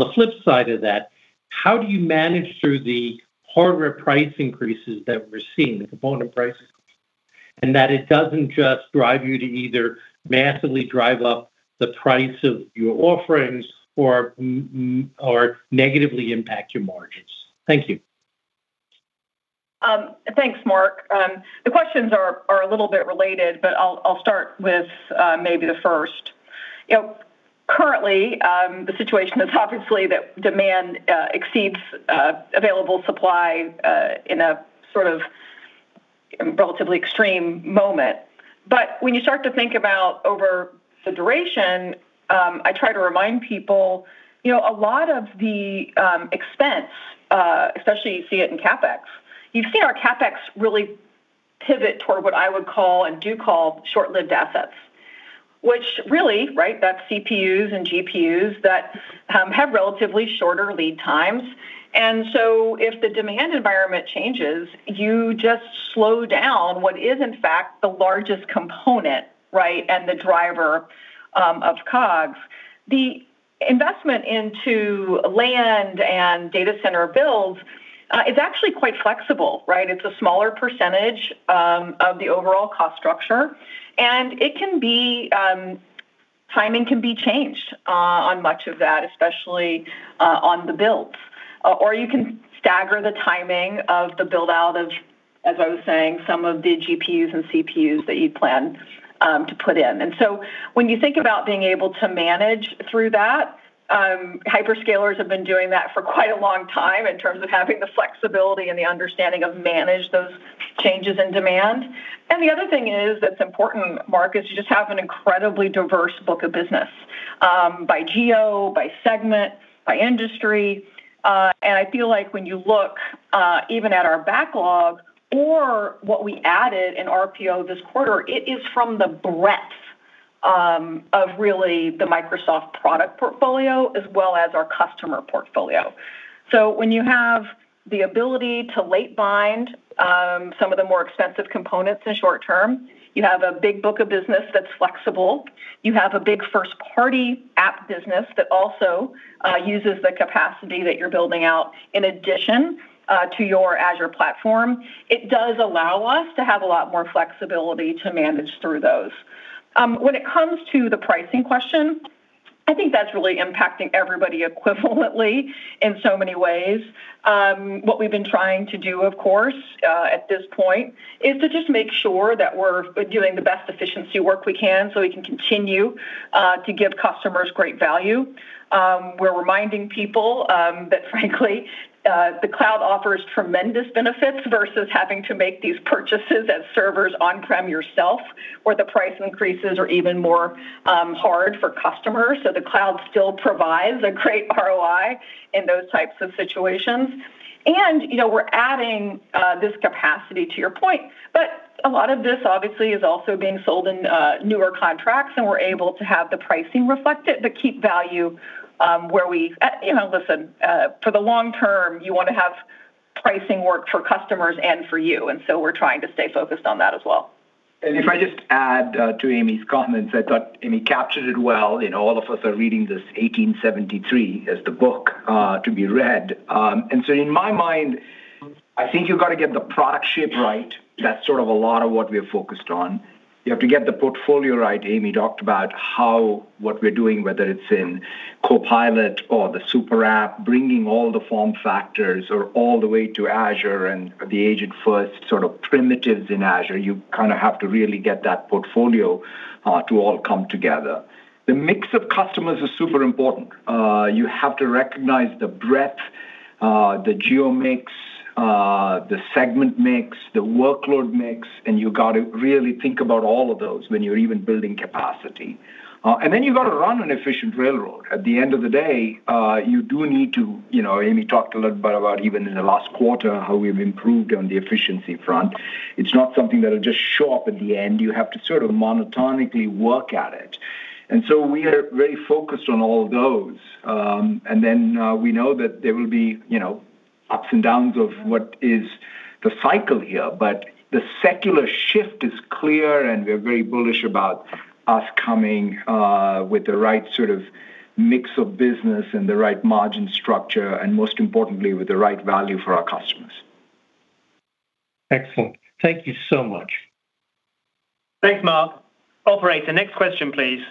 the flip side of that, how do you manage through the hardware price increases that we're seeing, the component prices? That it doesn't just drive you to either massively drive up the price of your offerings or negatively impact your margins. Thank you. Thanks, Mark. The questions are a little bit related. I'll start with maybe the first. Currently, the situation is obviously that demand exceeds available supply in a sort of relatively extreme moment. When you start to think about over the duration, I try to remind people, a lot of the expense, especially you see it in CapEx. You've seen our CapEx really pivot toward what I would call and do call short-lived assets, which really, right, that's CPUs and GPUs that have relatively shorter lead times. If the demand environment changes, you just slow down what is, in fact, the largest component, right, and the driver of COGS. The investment into land and data center builds is actually quite flexible, right? It's a smaller percentage of the overall cost structure, and timing can be changed on much of that, especially on the builds. You can stagger the timing of the build-out of, as I was saying, some of the GPUs and CPUs that you plan to put in. When you think about being able to manage through that, hyperscalers have been doing that for quite a long time in terms of having the flexibility and the understanding of manage those changes in demand. The other thing is, that's important, Mark, is you just have an incredibly diverse book of business, by geo, by segment, by industry. I feel like when you look even at our backlog or what we added in RPO this quarter, it is from the breadth of really the Microsoft product portfolio as well as our customer portfolio. When you have the ability to late bind some of the more expensive components in short term, you have a big book of business that's flexible. You have a big first-party app business that also uses the capacity that you're building out in addition to your Azure platform. It does allow us to have a lot more flexibility to manage through those. When it comes to the pricing question, I think that's really impacting everybody equivalently in so many ways. What we've been trying to do, of course, at this point, is to just make sure that we're doing the best efficiency work we can so we can continue to give customers great value. We're reminding people that frankly, the cloud offers tremendous benefits versus having to make these purchases as servers on-prem yourself, where the price increases are even more hard for customers. So the cloud still provides a great ROI in those types of situations. We're adding this capacity, to your point, but a lot of this obviously is also being sold in newer contracts, and we're able to have the pricing reflect it, but keep value where we. Listen, for the long term, you want to have pricing work for customers and for you, and so we're trying to stay focused on that as well. If I just add to Amy's comments, I thought Amy captured it well, all of us are reading this, "1873" is the book to be read. So in my mind, I think you've got to get the product shape right. That's sort of a lot of what we are focused on. You have to get the portfolio right. Amy talked about what we are doing, whether it's in Copilot or the super app, bringing all the form factors or all the way to Azure and the agent first sort of primitives in Azure. You kind of have to really get that portfolio to all come together. The mix of customers is super important. You have to recognize the breadth, the geo mix, the segment mix, the workload mix, and you got to really think about all of those when you're even building capacity. You've got to run an efficient railroad. At the end of the day, you do need to, Amy talked a little bit about even in the last quarter, how we've improved on the efficiency front. It's not something that'll just show up at the end. You have to sort of monotonically work at it. We are very focused on all of those. Then we know that there will be ups and downs of what is the cycle here, but the secular shift is clear, and we are very bullish about us coming with the right sort of mix of business and the right margin structure, and most importantly, with the right value for our customers. Excellent. Thank you so much. Thanks, Mark. Operator, next question, please.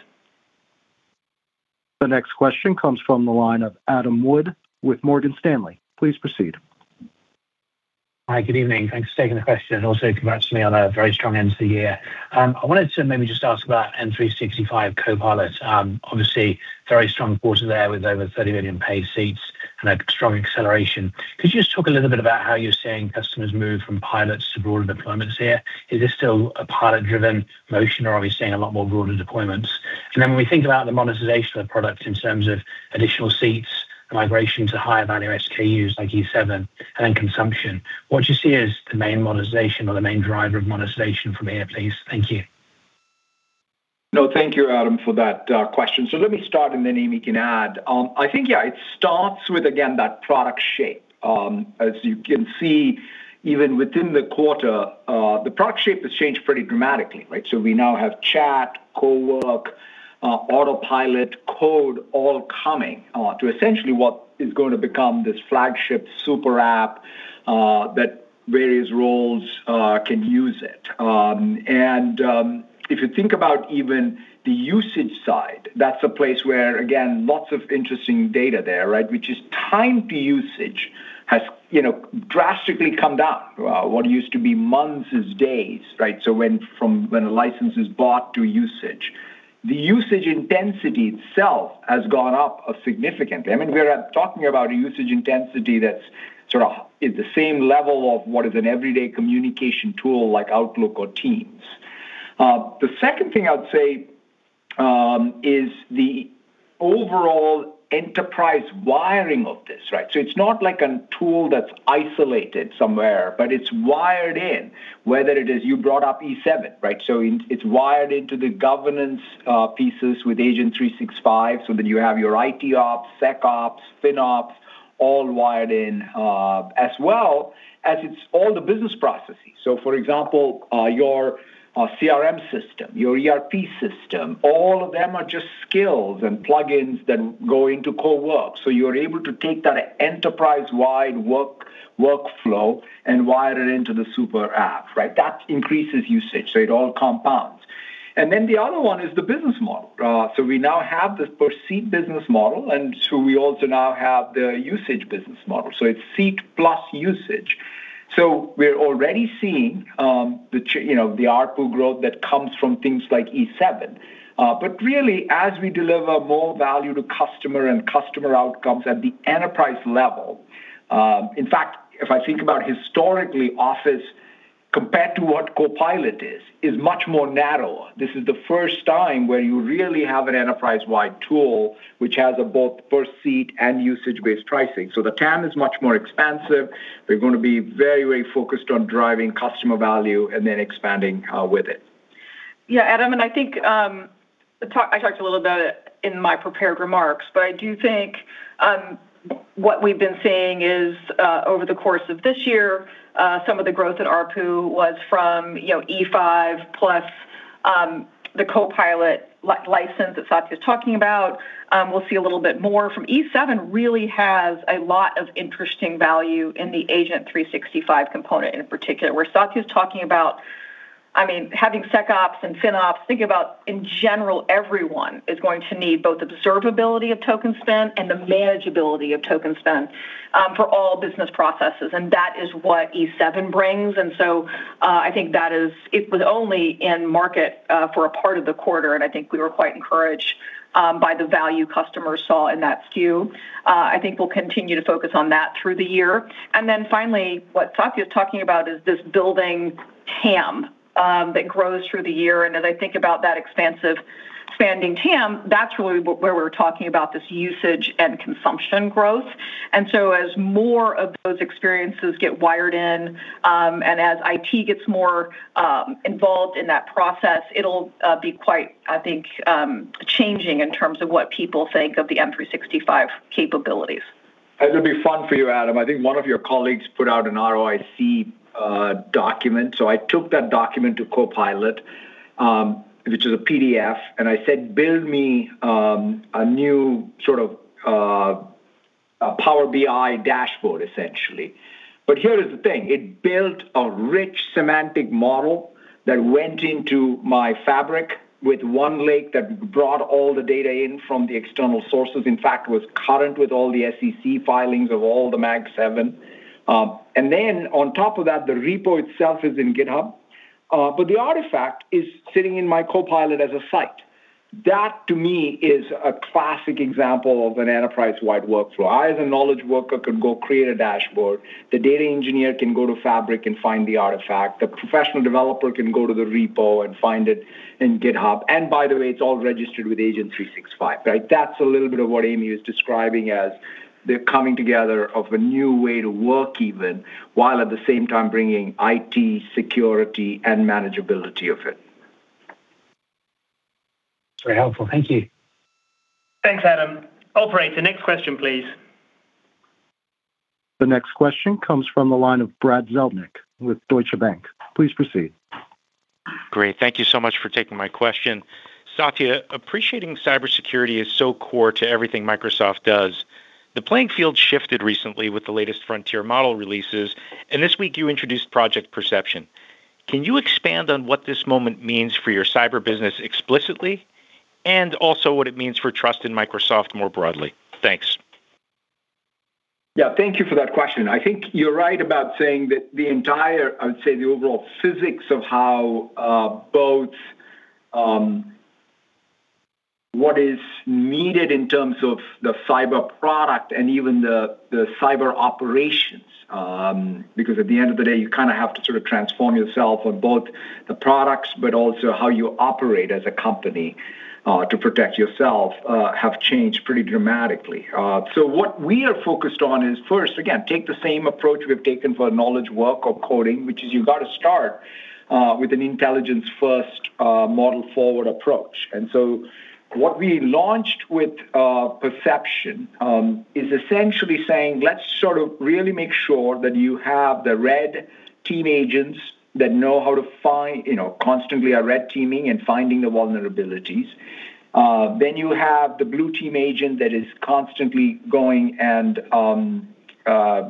The next question comes from the line of Adam Wood with Morgan Stanley. Please proceed. Hi. Good evening. Thanks for taking the question, and also congrats to me on a very strong end to the year. I wanted to maybe just ask about M365 Copilot. Obviously very strong quarter there with over 30 million paid seats and a strong acceleration. Could you just talk a little bit about how you're seeing customers move from pilots to broader deployments here? Is this still a pilot-driven motion or are we seeing a lot more broader deployments? Then when we think about the monetization of the product in terms of additional seats, migration to higher value SKUs like E7 and then consumption, what do you see as the main monetization or the main driver of monetization from here, please? Thank you. No, thank you, Adam, for that question. Let me start and then Amy can add. It starts with, again, that product shape. As you can see, even within the quarter, the product shape has changed pretty dramatically, right? We now have Chat, CoWork, Autopilot, Code all coming to essentially what is going to become this flagship super app that various roles can use it. If you think about even the usage side, that's a place where, again, lots of interesting data there, right? Which is time to usage has drastically come down. What used to be months is days, right? When a license is bought to usage. The usage intensity itself has gone up significantly. We are talking about a usage intensity that's sort of is the same level of what is an everyday communication tool like Outlook or Teams. The second thing I would say is the overall enterprise wiring of this, right? It's not like a tool that's isolated somewhere, but it's wired in, whether it is, you brought up E7, right? It's wired into the governance pieces with Microsoft Agent 365, you have your IT ops, SecOps, FinOps, all wired in, as well as it's all the business processes. For example, your CRM system, your ERP system, all of them are just skills and plugins that go into Copilot Cowork, you are able to take that enterprise-wide workflow and wire it into the super app, right? That increases usage, it all compounds. The other one is the business model. We now have this per seat business model, we also now have the usage business model. It's seat plus usage. We are already seeing the ARPU growth that comes from things like Microsoft 365 E7. But really, as we deliver more value to customer and customer outcomes at the enterprise level, in fact, if I think about historically Office compared to what Microsoft Copilot is much more narrower. This is the first time where you really have an enterprise-wide tool, which has a both per seat and usage-based pricing. The TAM is much more expansive. We're going to be very focused on driving customer value and then expanding with it. Adam, I think I talked a little about it in my prepared remarks, but I do think what we've been seeing is over the course of this year, some of the growth in ARPU was from Microsoft 365 E5 plus the Microsoft Copilot license that Satya Nadella's talking about. We'll see a little bit more from Microsoft 365 E7 really has a lot of interesting value in the Microsoft Agent 365 component in particular, where Satya Nadella's talking about having SecOps and FinOps, think about in general, everyone is going to need both observability of token spend and the manageability of token spend for all business processes, and that is what Microsoft 365 E7 brings. I think that it was only in market for a part of the quarter, and I think we were quite encouraged by the value customers saw in that SKU. I think we'll continue to focus on that through the year. Finally, what Satya's talking about is this building TAM that grows through the year. As I think about that expansive spending TAM, that's really where we're talking about this usage and consumption growth. As more of those experiences get wired in, and as IT gets more involved in that process, it'll be quite, I think, changing in terms of what people think of the M365 capabilities. It'll be fun for you, Adam. I think one of your colleagues put out an ROIC document. I took that document to Copilot, which is a PDF, and I said, "Build me a new Power BI dashboard, essentially." Here is the thing, it built a rich semantic model that went into my Fabric with OneLake that brought all the data in from the external sources. In fact, was current with all the SEC filings of all the Mag Seven. On top of that, the repo itself is in GitHub. The artifact is sitting in my Copilot as a site. That, to me, is a classic example of an enterprise-wide workflow. I, as a knowledge worker, could go create a dashboard. The data engineer can go to Fabric and find the artifact. The professional developer can go to the repo and find it in GitHub. By the way, it's all registered with Agent 365, right? That's a little bit of what Amy is describing as the coming together of a new way to work even, while at the same time bringing IT, security, and manageability of it. Very helpful. Thank you. Thanks, Adam. Operator, next question, please. The next question comes from the line of Brad Zelnick with Deutsche Bank. Please proceed. Great. Thank you so much for taking my question. Satya, appreciating cybersecurity is so core to everything Microsoft does. The playing field shifted recently with the latest frontier model releases, and this week you introduced Project Perception. Can you expand on what this moment means for your cyber business explicitly, and also what it means for trust in Microsoft more broadly? Thanks. Yeah. Thank you for that question. I think you're right about saying that the entire, I would say, the overall physics of how both what is needed in terms of the cyber product and even the cyber operations, because at the end of the day, you kind of have to sort of transform yourself on both the products, but also how you operate as a company, to protect yourself, have changed pretty dramatically. What we are focused on is first, again, take the same approach we've taken for knowledge work or coding, which is you got to start with an intelligence-first, model-forward approach. What we launched with Perception is essentially saying, let's sort of really make sure that you have the red team agents that know how to find, constantly are red teaming and finding the vulnerabilities. You have the blue team agent that is constantly going and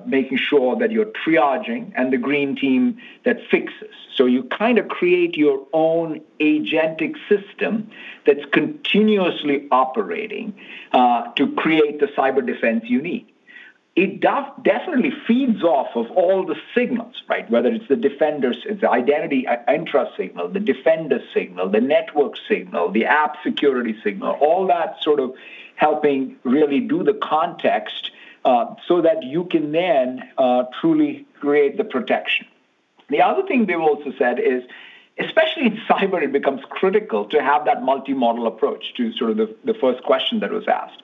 making sure that you're triaging, and the green team that fixes. You kind of create your own agentic system that's continuously operating to create the cyber defense you need. It definitely feeds off of all the signals, right? Whether it's the identity Microsoft Entra signal, the Microsoft Defender signal, the network signal, the app security signal, all that sort of helping really do the context, so that you can then truly create the protection. The other thing they've also said is, especially in cyber, it becomes critical to have that multi-model approach to sort of the first question that was asked.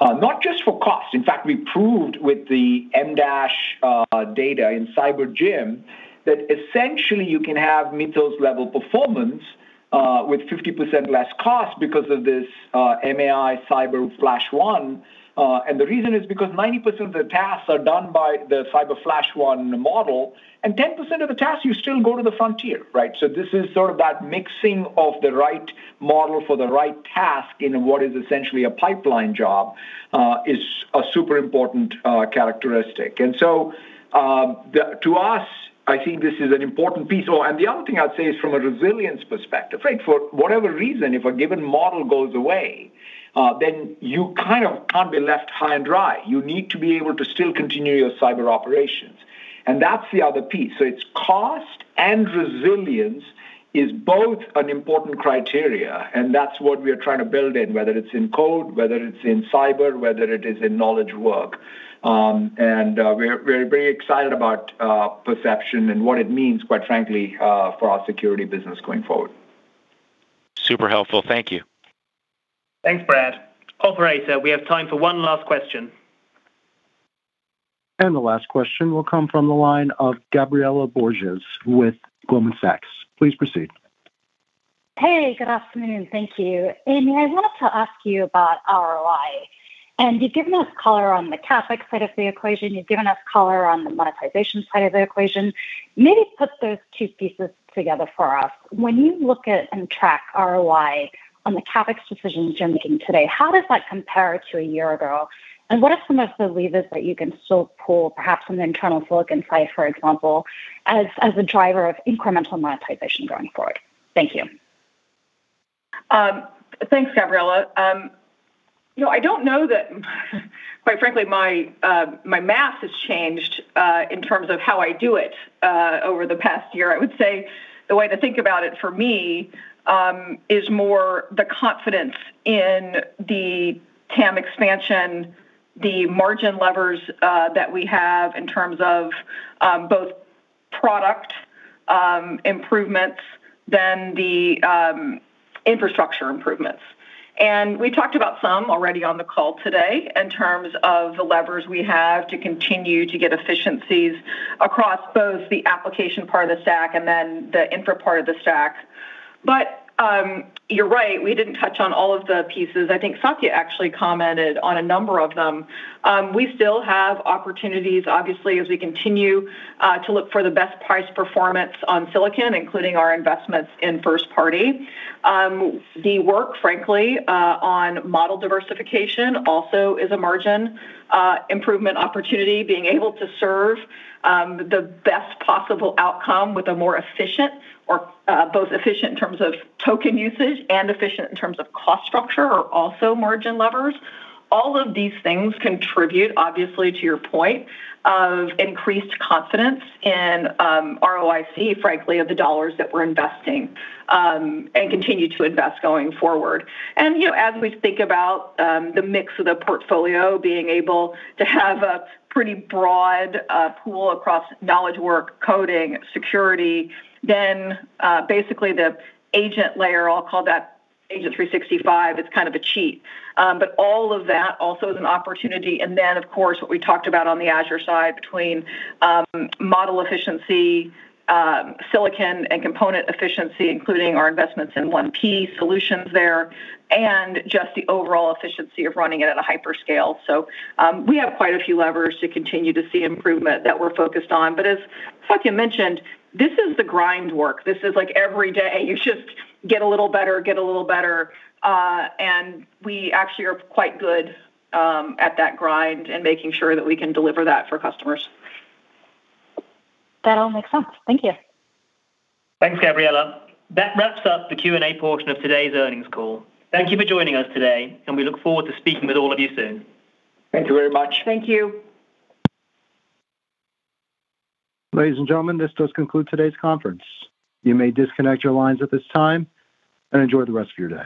Not just for cost. In fact, we proved with the MDASH data in CyberGym that essentially you can have Mythos level performance, with 50% less cost because of this MAI-Cyber-1-Flash. The reason is because 90% of the tasks are done by the MAI-Cyber-1-Flash model, and 10% of the tasks, you still go to the frontier, right? This is sort of that mixing of the right model for the right task in what is essentially a pipeline job, is a super important characteristic. To us, I think this is an important piece. The other thing I'd say is from a resilience perspective, right? For whatever reason, if a given model goes away, then you kind of can't be left high and dry. You need to be able to still continue your cyber operations. That's the other piece. It's cost and resilience is both an important criteria, and that's what we are trying to build in, whether it's in code, whether it's in cyber, whether it is in knowledge work. We're very excited about Perception and what it means, quite frankly, for our security business going forward. Super helpful. Thank you. Thanks, Brad. Operator, we have time for one last question. The last question will come from the line of Gabriela Borges with Goldman Sachs. Please proceed. Hey, good afternoon. Thank you. Amy, I wanted to ask you about ROI. You've given us color on the CapEx side of the equation. You've given us color on the monetization side of the equation. Maybe put those two pieces together for us. When you look at and track ROI on the CapEx decisions you're making today, how does that compare to a year ago? What are some of the levers that you can still pull, perhaps from the internal silicon side, for example, as a driver of incremental monetization going forward? Thank you. Thanks, Gabriela. I don't know that, quite frankly, my math has changed in terms of how I do it over the past year. I would say the way to think about it for me is more the confidence in the TAM expansion, the margin levers that we have in terms of both product improvements, then the infrastructure improvements. We talked about some already on the call today in terms of the levers we have to continue to get efficiencies across both the application part of the stack and then the infra part of the stack. You're right, we didn't touch on all of the pieces. I think Satya actually commented on a number of them. We still have opportunities, obviously, as we continue to look for the best price-performance on silicon, including our investments in first party. The work, frankly, on model diversification also is a margin improvement opportunity. Being able to serve the best possible outcome with a more efficient, or both efficient in terms of token usage and efficient in terms of cost structure, are also margin levers. All of these things contribute, obviously, to your point of increased confidence in ROIC, frankly, of the dollars that we're investing, and continue to invest going forward. As we think about the mix of the portfolio, being able to have a pretty broad pool across knowledge work, coding, security, then basically the agent layer, I'll call that Agent 365. It's kind of a cheat. All of that also is an opportunity, then, of course, what we talked about on the Azure side between model efficiency, silicon, and component efficiency, including our investments in 1P solutions there, and just the overall efficiency of running it at a hyperscale. We have quite a few levers to continue to see improvement that we're focused on. As Satya mentioned, this is the grind work. This is like every day you just get a little better. We actually are quite good at that grind and making sure that we can deliver that for customers. That all makes sense. Thank you. Thanks, Gabriela. That wraps up the Q&A portion of today's earnings call. Thank you for joining us today, and we look forward to speaking with all of you soon. Thank you very much. Thank you. Ladies and gentlemen, this does conclude today's conference. You may disconnect your lines at this time, and enjoy the rest of your day.